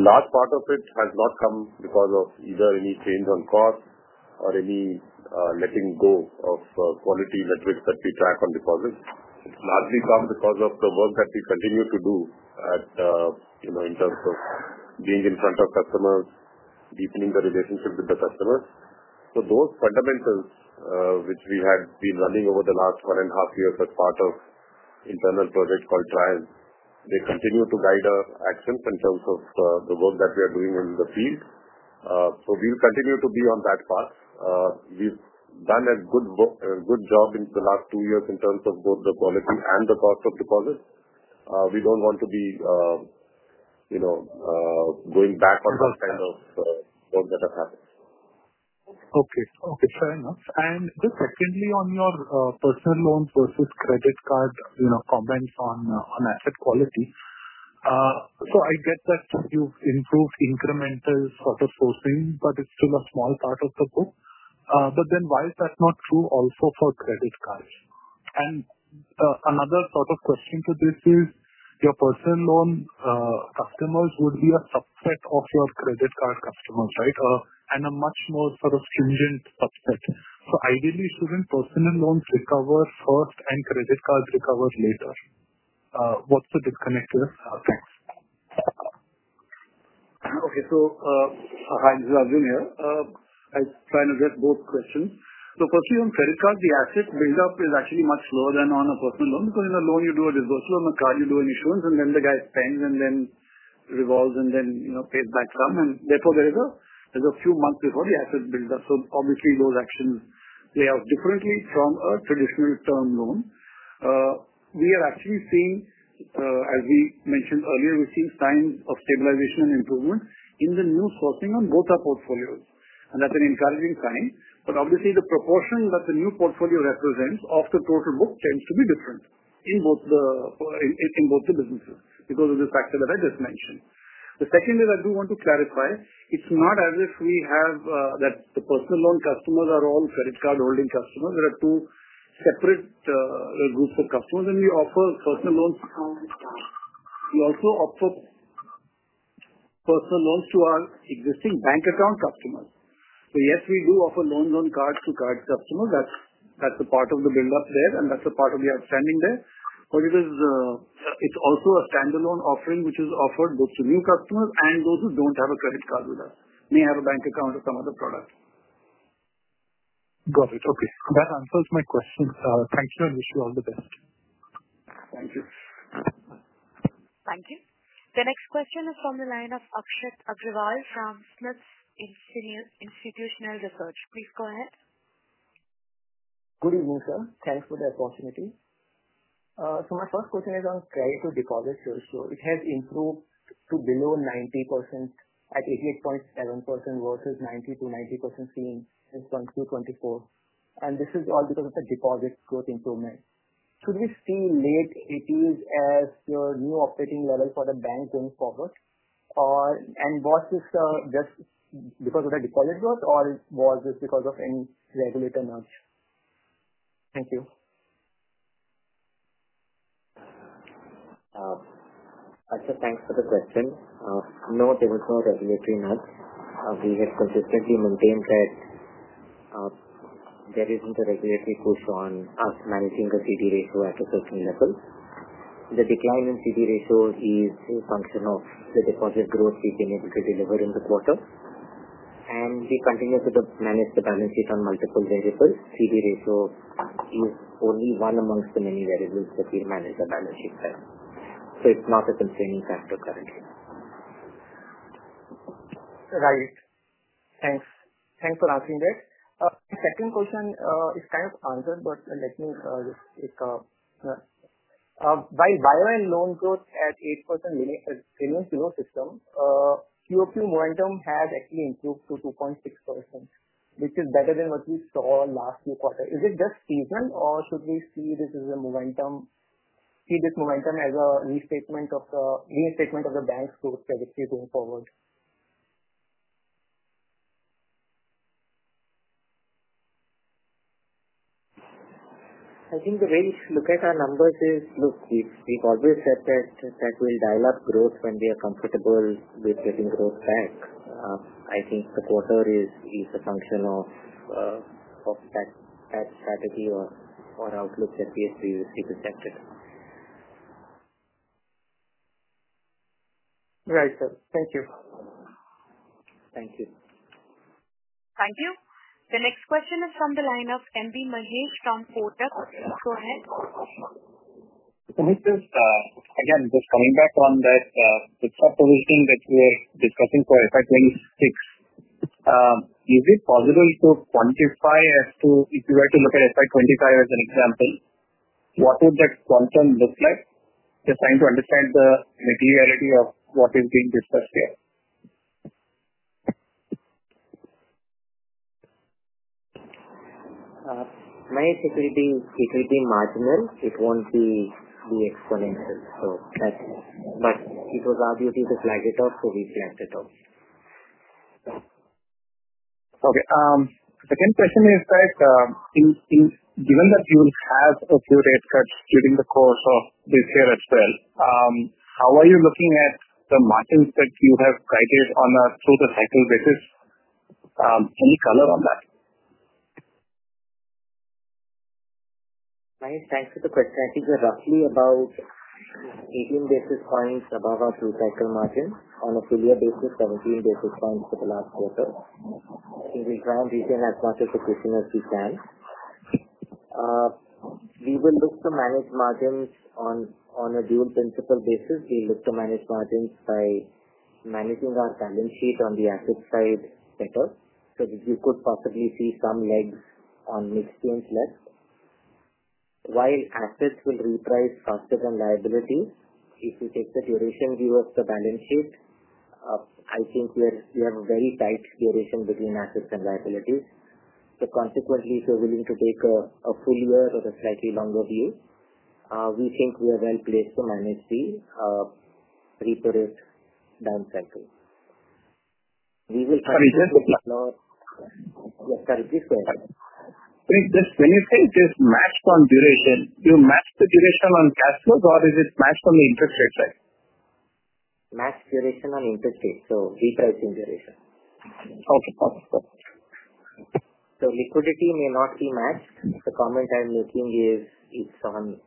Speaker 7: Large part of it has not come because of either any change on cost or any letting go of quality metrics that we track on deposits. It's largely come because of the work that we continue to do in terms of being in front of customers, deepening the relationship with the customers. Those fundamentals, which we had been running over the last one and a half years as part of an internal project called TRIAM, continue to guide our actions in terms of the work that we are doing in the field. We'll continue to be on that path. We've done a good job in the last two years in terms of both the quality and the cost of deposits. We don't want to be going back on that kind of work that has happened.
Speaker 13: Okay. Okay. Fair enough. Just secondly, on your personal loans versus credit card comments on asset quality, I get that you've improved incremental sort of sourcing, but it's still a small part of the book. Why is that not true also for credit cards? Another sort of question to this is, your personal loan customers would be a subset of your credit card customers, right, and a much more sort of stringent subset. Ideally, shouldn't personal loans recover first and credit cards recover later? What's the disconnect here? Thanks.
Speaker 14: Okay. Hi, this is Arjun here. I'm trying to get both questions. Firstly, on credit cards, the asset buildup is actually much slower than on a personal loan because in a loan, you do a disbursal, in a card, you do an issuance, and then the guy spends and then revolves and then pays back some. Therefore, there are a few months before the asset buildup. Obviously, those actions play out differently from a traditional term loan. We are actually seeing, as we mentioned earlier, we've seen signs of stabilization and improvement in the new sourcing on both our portfolios. That's an encouraging sign. Obviously, the proportion that the new portfolio represents of the total book tends to be different in both the businesses because of this factor that I just mentioned. The second thing I do want to clarify, it's not as if we have that the personal loan customers are all credit card-holding customers. There are two separate groups of customers, and we offer personal loans. We also offer personal loans to our existing bank account customers. Yes, we do offer loans on cards to card customers. That is a part of the buildup there, and that is a part of the outstanding there. It is also a standalone offering which is offered both to new customers and those who do not have a credit card with us, may have a bank account or some other product. Got it. Okay. That answers my question. Thank you, and wish you all the best. Thank you.
Speaker 1: Thank you. The next question is from the line of Akshit Agrivall from Smith's Institutional Research. Please go ahead.
Speaker 15: Good evening, sir. Thanks for the opportunity. My first question is on credit to deposit ratio. It has improved to below 90% at 88.7% versus 90-90% seen in 2024. This is all because of the deposit growth improvement. Should we see late 80s as your new operating level for the bank going forward? Was this just because of the deposit growth, or was this because of any regulator nudge? Thank you.
Speaker 2: Akshit, thanks for the question. No, there was no regulatory nudge. We have consistently maintained that there is not a regulatory push on us managing the CET1 ratio at a certain level. The decline in CET1 ratio is a function of the deposit growth we have been able to deliver in the quarter. We continue to manage the balance sheet on multiple variables. CET1 ratio is only one among the many variables that we manage the balance sheet by. It is not a constraining factor currently.
Speaker 16: Right. Thanks. Thanks for asking that. Second question is kind of answered, but let me just take a while. BioN loan growth at 8% remains below system, QoQ momentum has actually improved to 2.6%, which is better than what we saw last Q4. Is it just seasonal, or should we see this as a momentum, see this momentum as a restatement of the reinstatement of the bank's growth trajectory going forward?
Speaker 14: I think the way we look at our numbers is, look, we've always said that we'll dial up growth when we are comfortable with getting growth back. I think the quarter is a function of that strategy or outlook that we have previously projected.
Speaker 15: Right, sir. Thank you.
Speaker 3: Thank you.
Speaker 1: Thank you. The next question is from the line of MB Mahesh from Kotak. Go ahead.
Speaker 17: Again, just coming back on that proposition that we were discussing for FY 2026, is it possible to quantify as to if you were to look at FY 2025 as an example, what would that quantum look like? Just trying to understand the materiality of what is being discussed here. It will be marginal. It will not be exponential. It was argued you could flag it off, so we flagged it off. Okay. Second question is that given that you will have a few rate cuts during the course of this year as well, how are you looking at the margins that you have guided on a through-the-cycle basis? Any color on that?
Speaker 3: Thanks for the question. I think we are roughly about 18 basis points above our through-cycle margin. On a two-year basis, 17 basis points for the last quarter. I think we'll try and retain as much of the question as we can. We will look to manage margins on a dual-principle basis. We'll look to manage margins by managing our balance sheet on the asset side better so that you could possibly see some legs on mixed gains left. While assets will reprice faster than liabilities, if you take the duration view of the balance sheet, I think we have a very tight duration between assets and liabilities. Consequently, if you're willing to take a full year or a slightly longer view, we think we are well placed to manage the repo rate down cycle. We will try to. Yes, sir. Please go ahead.
Speaker 17: Puneet, when you say it is matched on duration, do you match the duration on cash flows, or is it matched on the interest rate side?
Speaker 3: Matched duration on interest rate. Repricing duration. Okay. Okay. Liquidity may not be matched. The comment I'm making is it's on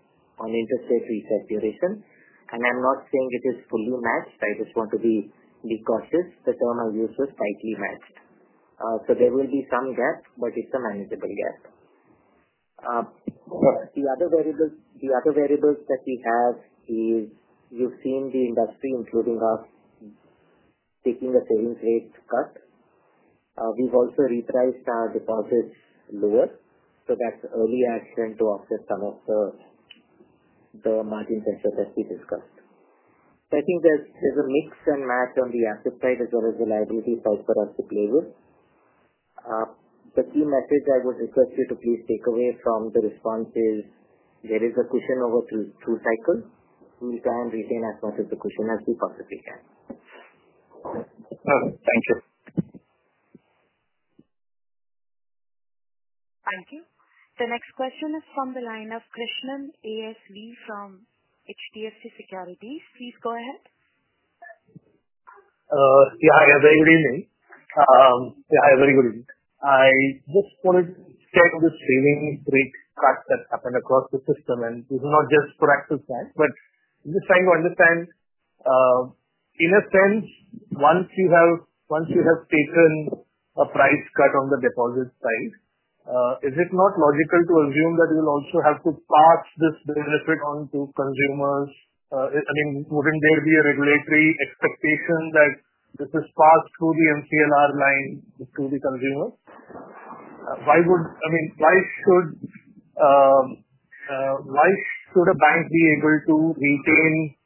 Speaker 3: interest rate reset duration. I'm not saying it is fully matched. I just want to be cautious. The term I used was tightly matched. There will be some gap, but it's a manageable gap. The other variables that we have is you've seen the industry, including us, taking a savings rate cut. We've also repriced our deposits lower. That's early action to offset some of the margin pressure that we discussed. I think there's a mix and match on the asset side as well as the liability side for us to play with. The key message I would request you to please take away from the response is there is a cushion over through cycle. We'll try and retain as much of the cushion as we possibly can.
Speaker 17: Thank you.
Speaker 1: Thank you. The next question is from the line of Krishnan ASV from HDFC Securities. Please go ahead.
Speaker 18: Yeah. Hi. Very good evening. Yeah. Very good evening. I just wanted to check the savings rate cut that happened across the system. And this is not just for Axis' side, but I'm just trying to understand, in a sense, once you have taken a price cut on the deposit side, is it not logical to assume that you'll also have to pass this benefit on to consumers? I mean, wouldn't there be a regulatory expectation that this is passed through the MCLR line to the consumers? I mean, why should a bank be able to retain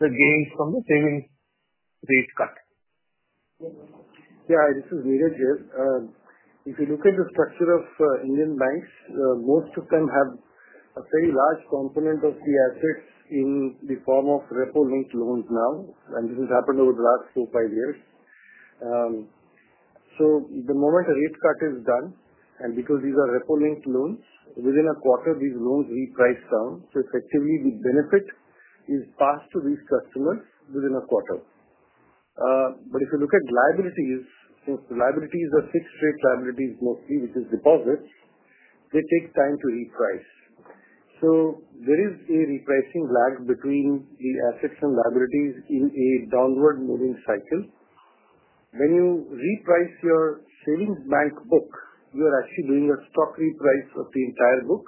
Speaker 18: the gains from the savings rate cut?
Speaker 19: Yeah. This is Neeraj here. If you look at the structure of Indian banks, most of them have a very large component of the assets in the form of repo-linked loans now. This has happened over the last four or five years. The moment a rate cut is done, and because these are repo-linked loans, within a quarter, these loans reprice down. Effectively, the benefit is passed to these customers within a quarter. If you look at liabilities, since liabilities are fixed-rate liabilities mostly, which is deposits, they take time to reprice. There is a repricing lag between the assets and liabilities in a downward-moving cycle. When you reprice your savings bank book, you are actually doing a stock reprice of the entire book,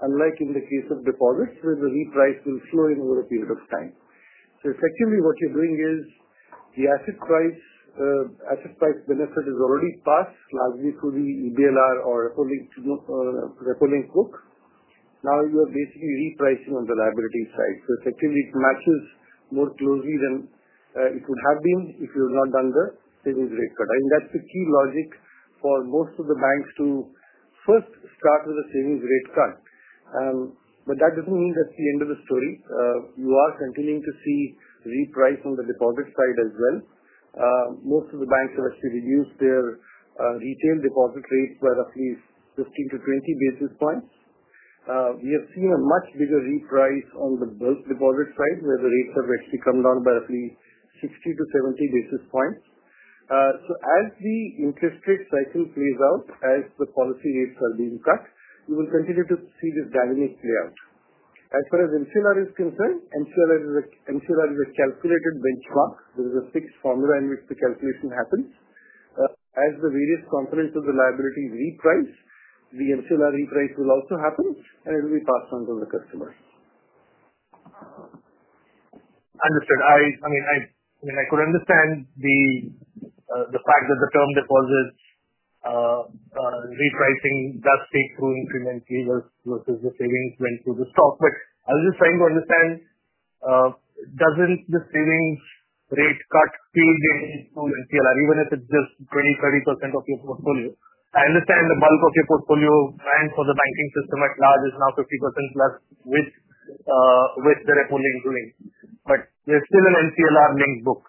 Speaker 19: unlike in the case of deposits, where the reprice will slow in over a period of time. Effectively, what you're doing is the asset price benefit is already passed largely through the EBLR or repo-linked book. Now, you are basically repricing on the liability side. Effectively, it matches more closely than it would have been if you had not done the savings rate cut. I think that's the key logic for most of the banks to first start with a savings rate cut. That doesn't mean that's the end of the story. You are continuing to see reprice on the deposit side as well. Most of the banks have actually reduced their retail deposit rates by roughly 15-20 basis points. We have seen a much bigger reprice on the deposit side, where the rates have actually come down by roughly 60-70 basis points. As the interest rate cycle plays out, as the policy rates are being cut, you will continue to see this dynamic play out. As far as MCLR is concerned, MCLR is a calculated benchmark. There is a fixed formula in which the calculation happens. As the various components of the liabilities reprice, the MCLR reprice will also happen, and it will be passed on to the customers.
Speaker 18: Understood. I mean, I could understand the fact that the term deposits repricing does take two increments versus the savings went through the stock. I was just trying to understand, doesn't the savings rate cut feed into MCLR, even if it's just 20-30% of your portfolio? I understand the bulk of your portfolio and for the banking system at large is now 50% plus with the repo-linked loans. There is still an MCLR linked book.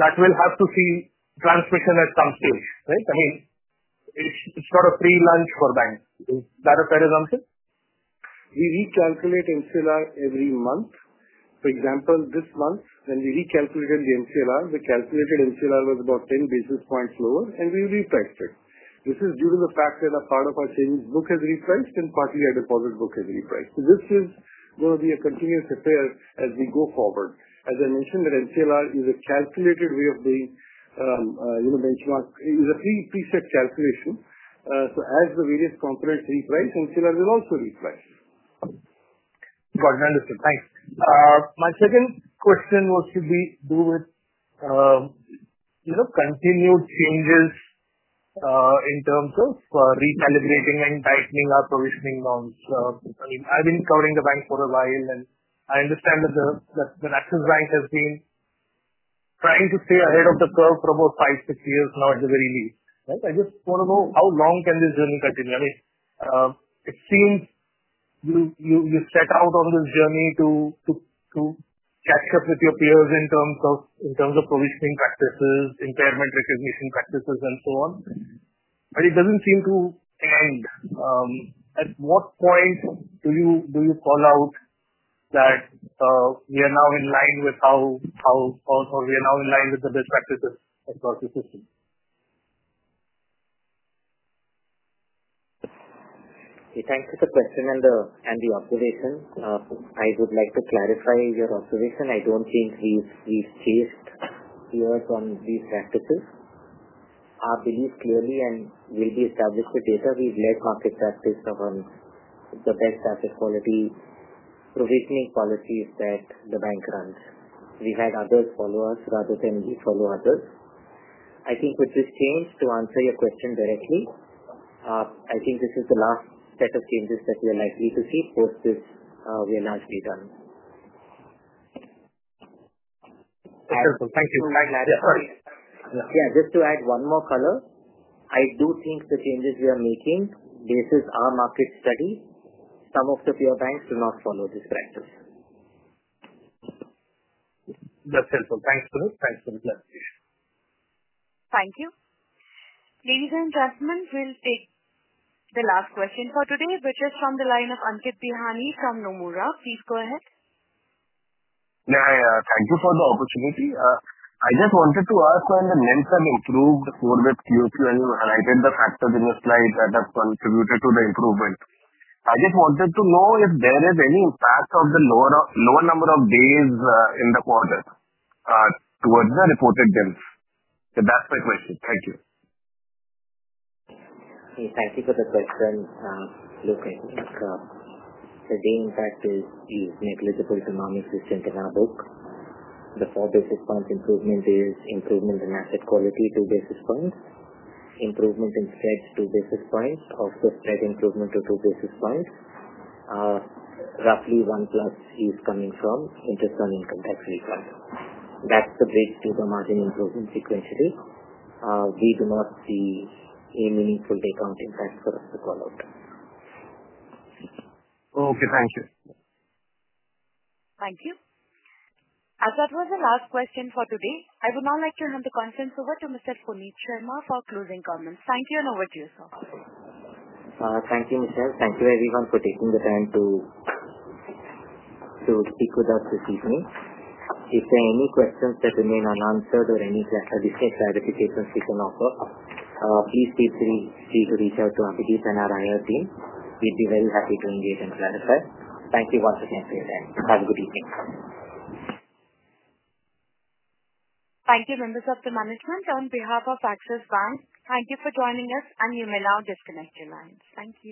Speaker 18: That will have to see transmission at some stage, right? I mean, it's not a free lunch for banks. Is that a fair assumption?
Speaker 19: We recalculate MCLR every month. For example, this month, when we recalculated the MCLR, the calculated MCLR was about 10 basis points lower, and we repriced it. This is due to the fact that a part of our savings book has repriced and partly our deposit book has repriced. This is going to be a continuous affair as we go forward. As I mentioned, the MCLR is a calculated way of being benchmarked. It is a preset calculation. As the various components reprice, MCLR will also reprice.
Speaker 18: Got it. Understood. Thanks. My second question was to do with continued changes in terms of recalibrating and tightening our provisioning norms. I mean, I've been covering the bank for a while, and I understand that Axis Bank has been trying to stay ahead of the curve for about five, six years now at the very least, right? I just want to know how long can this journey continue? I mean, it seems you set out on this journey to catch up with your peers in terms of provisioning practices, impairment recognition practices, and so on. It doesn't seem to end. At what point do you call out that we are now in line with how or we are now in line with the best practices across the system?
Speaker 11: Thanks for the question and the observation. I would like to clarify your observation. I don't think we've changed gears on these practices. Our belief clearly and will be established with data. We've led market practice upon the best asset quality provisioning policies that the bank runs. We had others follow us rather than we follow others. I think with this change, to answer your question directly, I think this is the last set of changes that we are likely to see. Post this, we're largely done. Thank you.
Speaker 3: Thank you. Thanks, Rajiv. Yeah. Just to add one more color, I do think the changes we are making are based on our market study. Some of the peer banks do not follow this practice.
Speaker 18: That's helpful. Thanks for that. Thanks for the clarification.
Speaker 1: Thank you. Ladies and gentlemen, we'll take the last question for today, which is from the line of Ankit Bihani from Nomura. Please go ahead.
Speaker 20: Thank you for the opportunity. I just wanted to ask when the NIMs have improved over with QOQ, and I read the factors in the slide that have contributed to the improvement. I just wanted to know if there is any impact of the lower number of days in the quarter towards the reported NIMs. That's my question. Thank you.
Speaker 3: Thank you for the question. Look, I think the day impact is negligible to non-existent in our book. The four basis points improvement is improvement in asset quality, two basis points. Improvement in spread, two basis points. Also, spread improvement to two basis points. Roughly one plus is coming from interest on income tax refund. That's the break to the margin improvement sequentially. We do not see a meaningful day count impact for us to call out.
Speaker 20: Okay. Thank you.
Speaker 1: Thank you. That was the last question for today. I would now like to hand the conference over to Mr. Puneet Sharma for closing comments.
Speaker 3: Thank you, and over to you, sir. Thank you, Michelle. Thank you, everyone, for taking the time to speak with us this evening. If there are any questions that remain unanswered or any additional clarifications we can offer, please feel free to reach out to Abhideep and our IR team. We'd be very happy to engage and clarify. Thank you once again for your time. Have a good evening.
Speaker 1: Thank you, members of the management. On behalf of Axis Bank, thank you for joining us, and you may now disconnect your lines. Thank you.